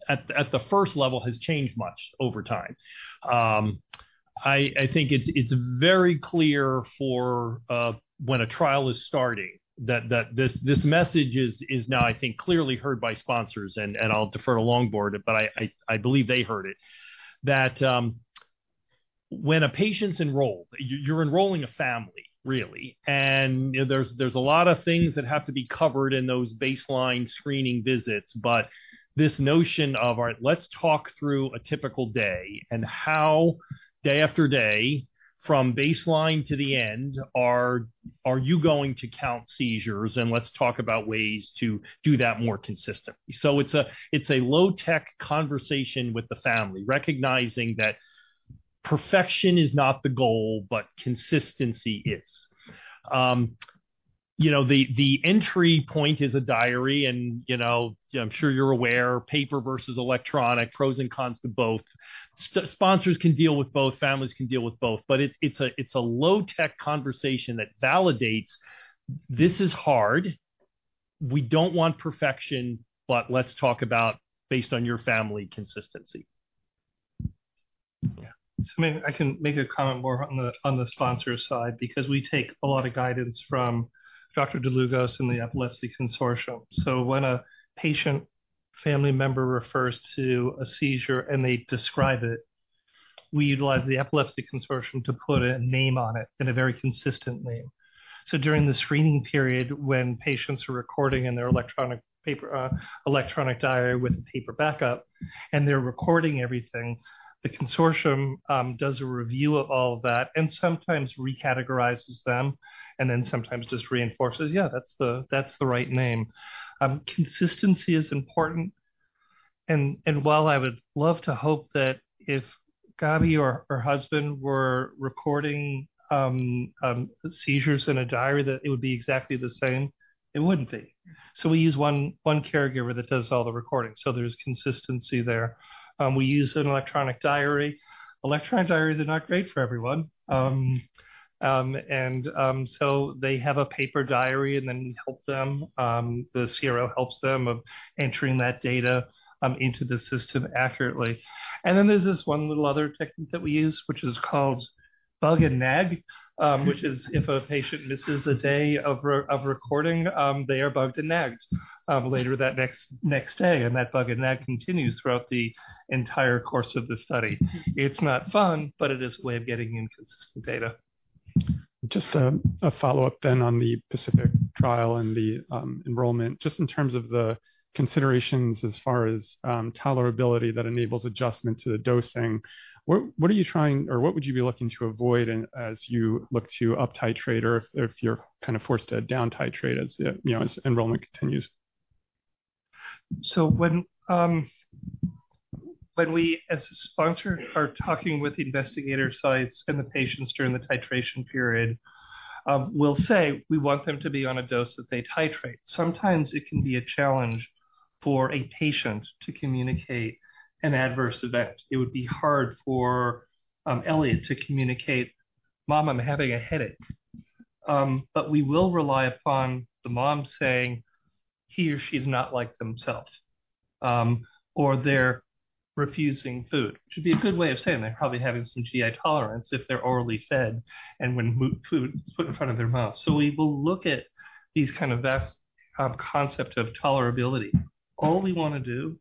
at the first level has changed much over time. I think it's very clear for when a trial is starting that this message is now clearly heard by sponsors, and I'll defer to Longboard, but I believe they heard it, that when a patient's enrolled, you're enrolling a family, really, and you know, there's a lot of things that have to be covered in those baseline screening visits. But this notion of, all right, let's talk through a typical day and how day after day, from baseline to the end, are you going to count seizures? And let's talk about ways to do that more consistently. So it's a, it's a low-tech conversation with the family, recognizing that perfection is not the goal, but consistency is. You know, the entry point is a diary, and, you know, I'm sure you're aware, paper versus electronic, pros and cons to both. Sponsors can deal with both, families can deal with both, but it's, it's a, it's a low-tech conversation that validates this is hard. We don't want perfection, but let's talk about, based on your family, consistency. Yeah. So maybe I can make a comment more on the, on the sponsor side, because we take a lot of guidance from Dr. Dlugos and the Epilepsy Consortium. So when a patient family member refers to a seizure and they describe it, we utilize the Epilepsy Consortium to put a name on it, and a very consistent name. So during the screening period, when patients are recording in their electronic diary with a paper backup, and they're recording everything, the consortium does a review of all of that and sometimes recategorizes them, and then sometimes just reinforces, "Yeah, that's the, that's the right name." Consistency is important, and while I would love to hope that if Gabi or her husband were recording seizures in a diary, that it would be exactly the same, it wouldn't be. So we use one caregiver that does all the recording, so there's consistency there. We use an electronic diary. Electronic diaries are not great for everyone. And so they have a paper diary, and then we help them, the CRO helps them of entering that data into the system accurately. And then there's this one little other technique that we use, which is called bug and nag. Which is if a patient misses a day of recording, they are bugged and nagged later that next day, and that bug and nag continues throughout the entire course of the study. It's not fun, but it is a way of getting inconsistent data. Just a follow-up then on the PACIFIC trial and the enrollment. Just in terms of the considerations as far as tolerability that enables adjustment to the dosing, what are you trying, or what would you be looking to avoid and as you look to uptitrate, or if you're kind of forced to downtitrate as you know, as enrollment continues? So when we, as a sponsor, are talking with the investigator sites and the patients during the titration period, we'll say we want them to be on a dose that they titrate. Sometimes it can be a challenge for a patient to communicate an adverse event. It would be hard for Elliot to communicate, "Mom, I'm having a headache." But we will rely upon the mom saying he or she's not like themselves, or they're refusing food, which would be a good way of saying they're probably having some GI tolerance if they're orally fed and when food is put in front of their mouth. So we will look at these kind of vast concept of tolerability. All we want to do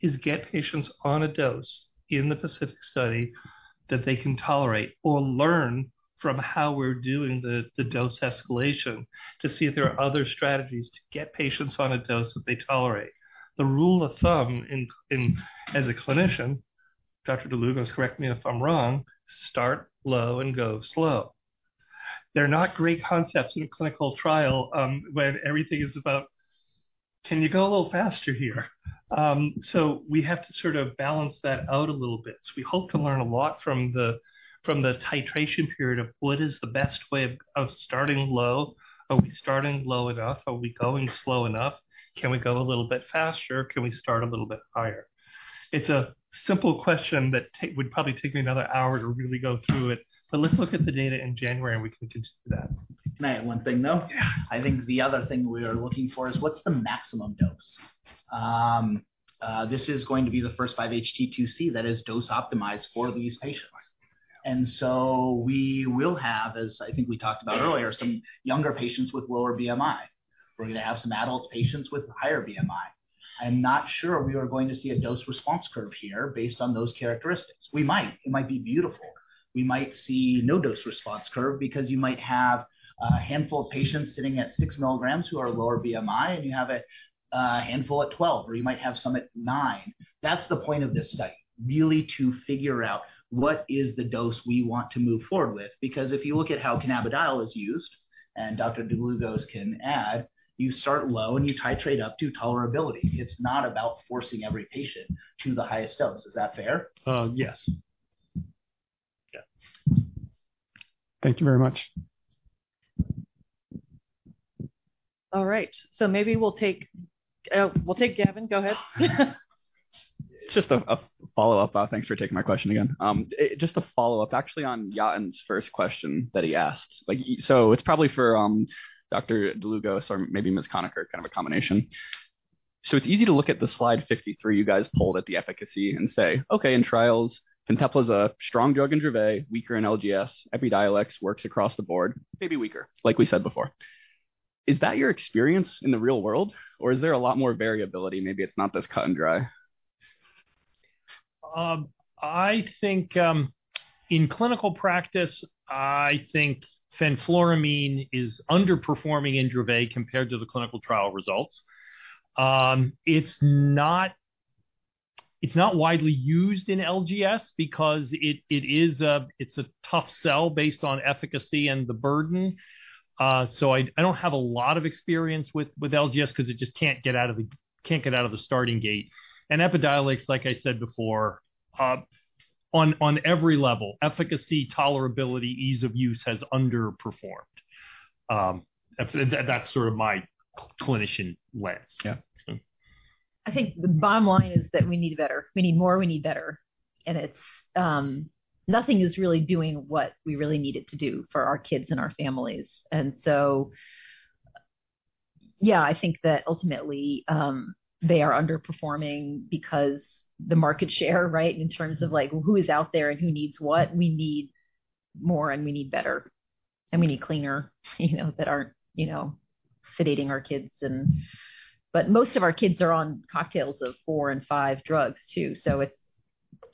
is get patients on a dose in the PACIFIC Study that they can tolerate or learn from how we're doing the dose escalation, to see if there are other strategies to get patients on a dose that they tolerate. The rule of thumb in as a clinician, Dr. Dlugos, correct me if I'm wrong, start low and go slow. They're not great concepts in a clinical trial, when everything is about, Can you go a little faster here? So we have to sort of balance that out a little bit. So we hope to learn a lot from the titration period of what is the best way of starting low. Are we starting low enough? Are we going slow enough? Can we go a little bit faster? Can we start a little bit higher? It's a simple question that would probably take me another hour to really go through it, but let's look at the data in January, and we can continue that. Can I add one thing, though? Yeah. I think the other thing we are looking for is what's the maximum dose? This is going to be the first 5-HT2C that is dose optimized for these patients. And so we will have, as I think we talked about earlier, some younger patients with lower BMI. We're gonna have some adult patients with higher BMI. I'm not sure we are going to see a dose-response curve here based on those characteristics. We might. It might be beautiful. We might see no dose-response curve because you might have a handful of patients sitting at 6 milligrams who are lower BMI, and you have a handful at 12, or you might have some at 9. That's the point of this study, really, to figure out what is the dose we want to move forward with. Because if you look at how cannabidiol is used, and Dr. Dlugos can add, you start low, and you titrate up to tolerability. It's not about forcing every patient to the highest dose. Is that fair? Yes. Yeah. Thank you very much. All right, so maybe we'll take, we'll take Gavin. Go ahead. It's just a follow-up. Thanks for taking my question again. Just a follow-up, actually, on Yatin's first question that he asked. Like, so it's probably for Dr. Dlugos or maybe Ms. Conecker, kind of a combination. So it's easy to look at the slide 53, you guys pulled at the efficacy and say, "Okay, in trials, Fintepla is a strong drug in Dravet, weaker in LGS. Epidiolex works across the board, maybe weaker, like we said before." Is that your experience in the real world, or is there a lot more variability? Maybe it's not this cut and dry. I think, in clinical practice, I think fenfluramine is underperforming in Dravet compared to the clinical trial results. It's not, it's not widely used in LGS because it, it is a, it's a tough sell based on efficacy and the burden. So I, I don't have a lot of experience with, with LGS because it just can't get out of the, can't get out of the starting gate. And Epidiolex, like I said before, on, on every level, efficacy, tolerability, ease of use, has underperformed. That, that's sort of my clinician lens. Yeah. I think the bottom line is that we need better. We need more, we need better, and it's, nothing is really doing what we really need it to do for our kids and our families. And so, yeah, I think that ultimately, they are underperforming because the market share, right, in terms of, like, who is out there and who needs what, we need-... more, and we need better, and we need cleaner, you know, that aren't, you know, sedating our kids and. But most of our kids are on cocktails of four and five drugs, too, so it's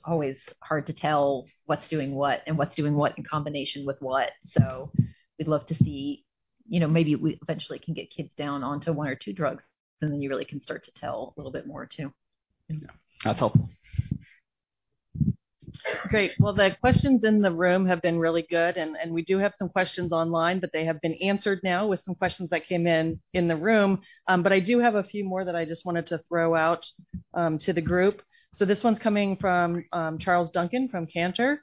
always hard to tell what's doing what, and what's doing what in combination with what. So we'd love to see, you know, maybe we eventually can get kids down onto one or two drugs, and then you really can start to tell a little bit more, too. Yeah. That's helpful. Great. Well, the questions in the room have been really good, and, and we do have some questions online, but they have been answered now with some questions that came in in the room. But I do have a few more that I just wanted to throw out, to the group. So this one's coming from, Charles Duncan from Cantor.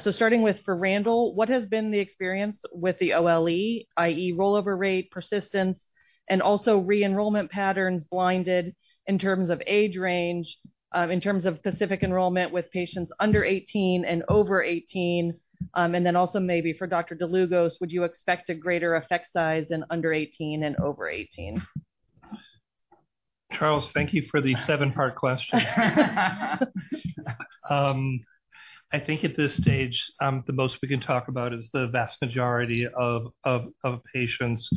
So starting with for Randall, what has been the experience with the OLE, i.e., rollover rate, persistence, and also re-enrollment patterns blinded in terms of age range, in terms of specific enrollment with patients under 18 and over 18? And then also maybe for Dr. Dlugos, would you expect a greater effect size in under 18 and over 18? Charles, thank you for the seven-part question. I think at this stage, the most we can talk about is the vast majority of patients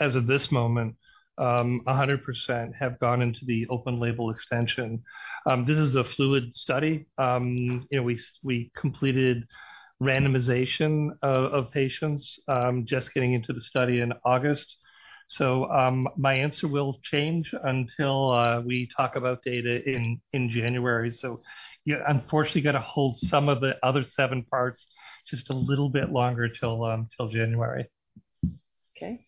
as of this moment, 100% have gone into the open-label extension. This is a fluid study. You know, we completed randomization of patients just getting into the study in August. So, my answer will change until we talk about data in January. So you're unfortunately gonna hold some of the other seven parts just a little bit longer till January. Okay.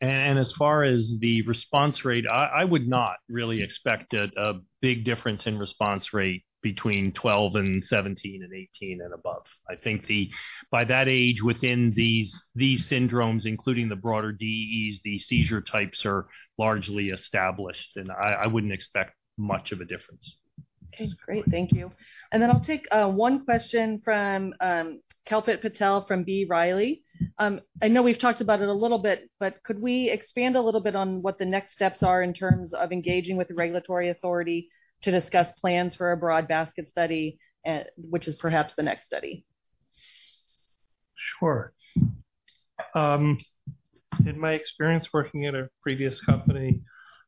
And as far as the response rate, I would not really expect a big difference in response rate between 12 and 17 and 18 and above. I think the... By that age, within these syndromes, including the broader DEs, the seizure types are largely established, and I wouldn't expect much of a difference. Okay, great. Thank you. And then I'll take one question from Kalpit Patel from B. Riley. I know we've talked about it a little bit, but could we expand a little bit on what the next steps are in terms of engaging with the regulatory authority to discuss plans for a broad basket study, which is perhaps the next study? Sure. In my experience working at a previous company,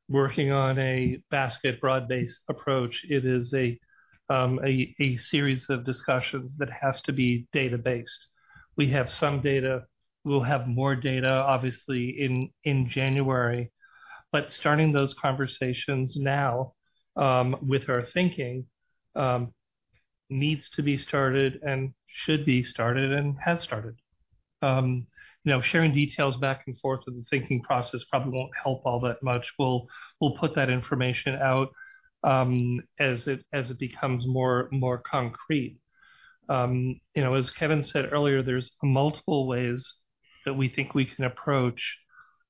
working on a basket broad-based approach, it is a series of discussions that has to be data-based. We have some data. We'll have more data, obviously, in January. But starting those conversations now, with our thinking, needs to be started and should be started and has started. You know, sharing details back and forth with the thinking process probably won't help all that much. We'll put that information out, as it becomes more concrete. You know, as Kevin said earlier, there's multiple ways that we think we can approach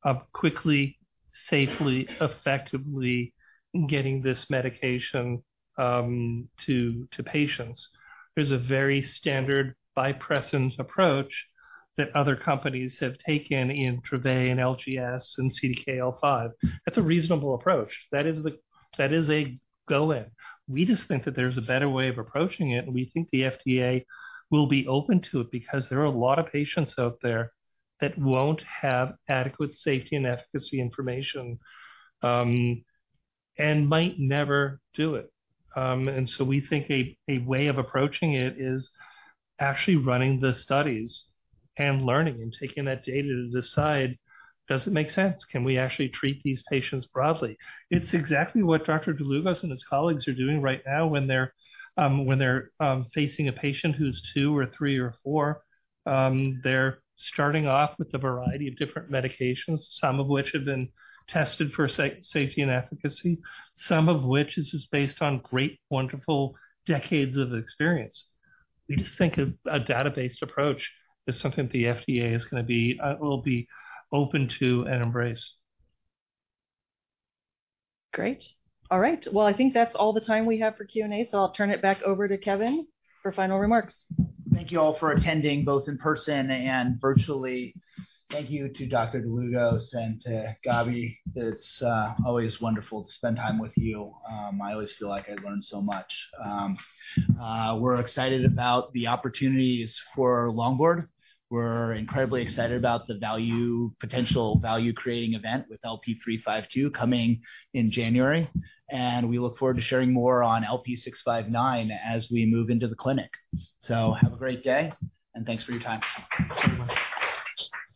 of quickly, safely, effectively getting this medication, to patients. There's a very standard by precedence approach that other companies have taken in Dravet and LGS and CDKL5. That's a reasonable approach. That is a go in. We just think that there's a better way of approaching it, and we think the FDA will be open to it because there are a lot of patients out there that won't have adequate safety and efficacy information, and might never do it. And so we think a way of approaching it is actually running the studies and learning and taking that data to decide, does it make sense? Can we actually treat these patients broadly? It's exactly what Dr. Dlugos and his colleagues are doing right now when they're facing a patient who's two or three or four. They're starting off with a variety of different medications, some of which have been tested for safety and efficacy, some of which is just based on great, wonderful decades of experience. We just think a data-based approach is something the FDA is gonna be, will be open to and embrace. Great. All right. Well, I think that's all the time we have for Q&A, so I'll turn it back over to Kevin for final remarks. Thank you all for attending, both in person and virtually. Thank you to Dr. Dlugos and to Gabi. It's always wonderful to spend time with you. I always feel like I learn so much. We're excited about the opportunities for Longboard. We're incredibly excited about the value, potential value-creating event with LP352 coming in January, and we look forward to sharing more on LP659 as we move into the clinic. So have a great day, and thanks for your time.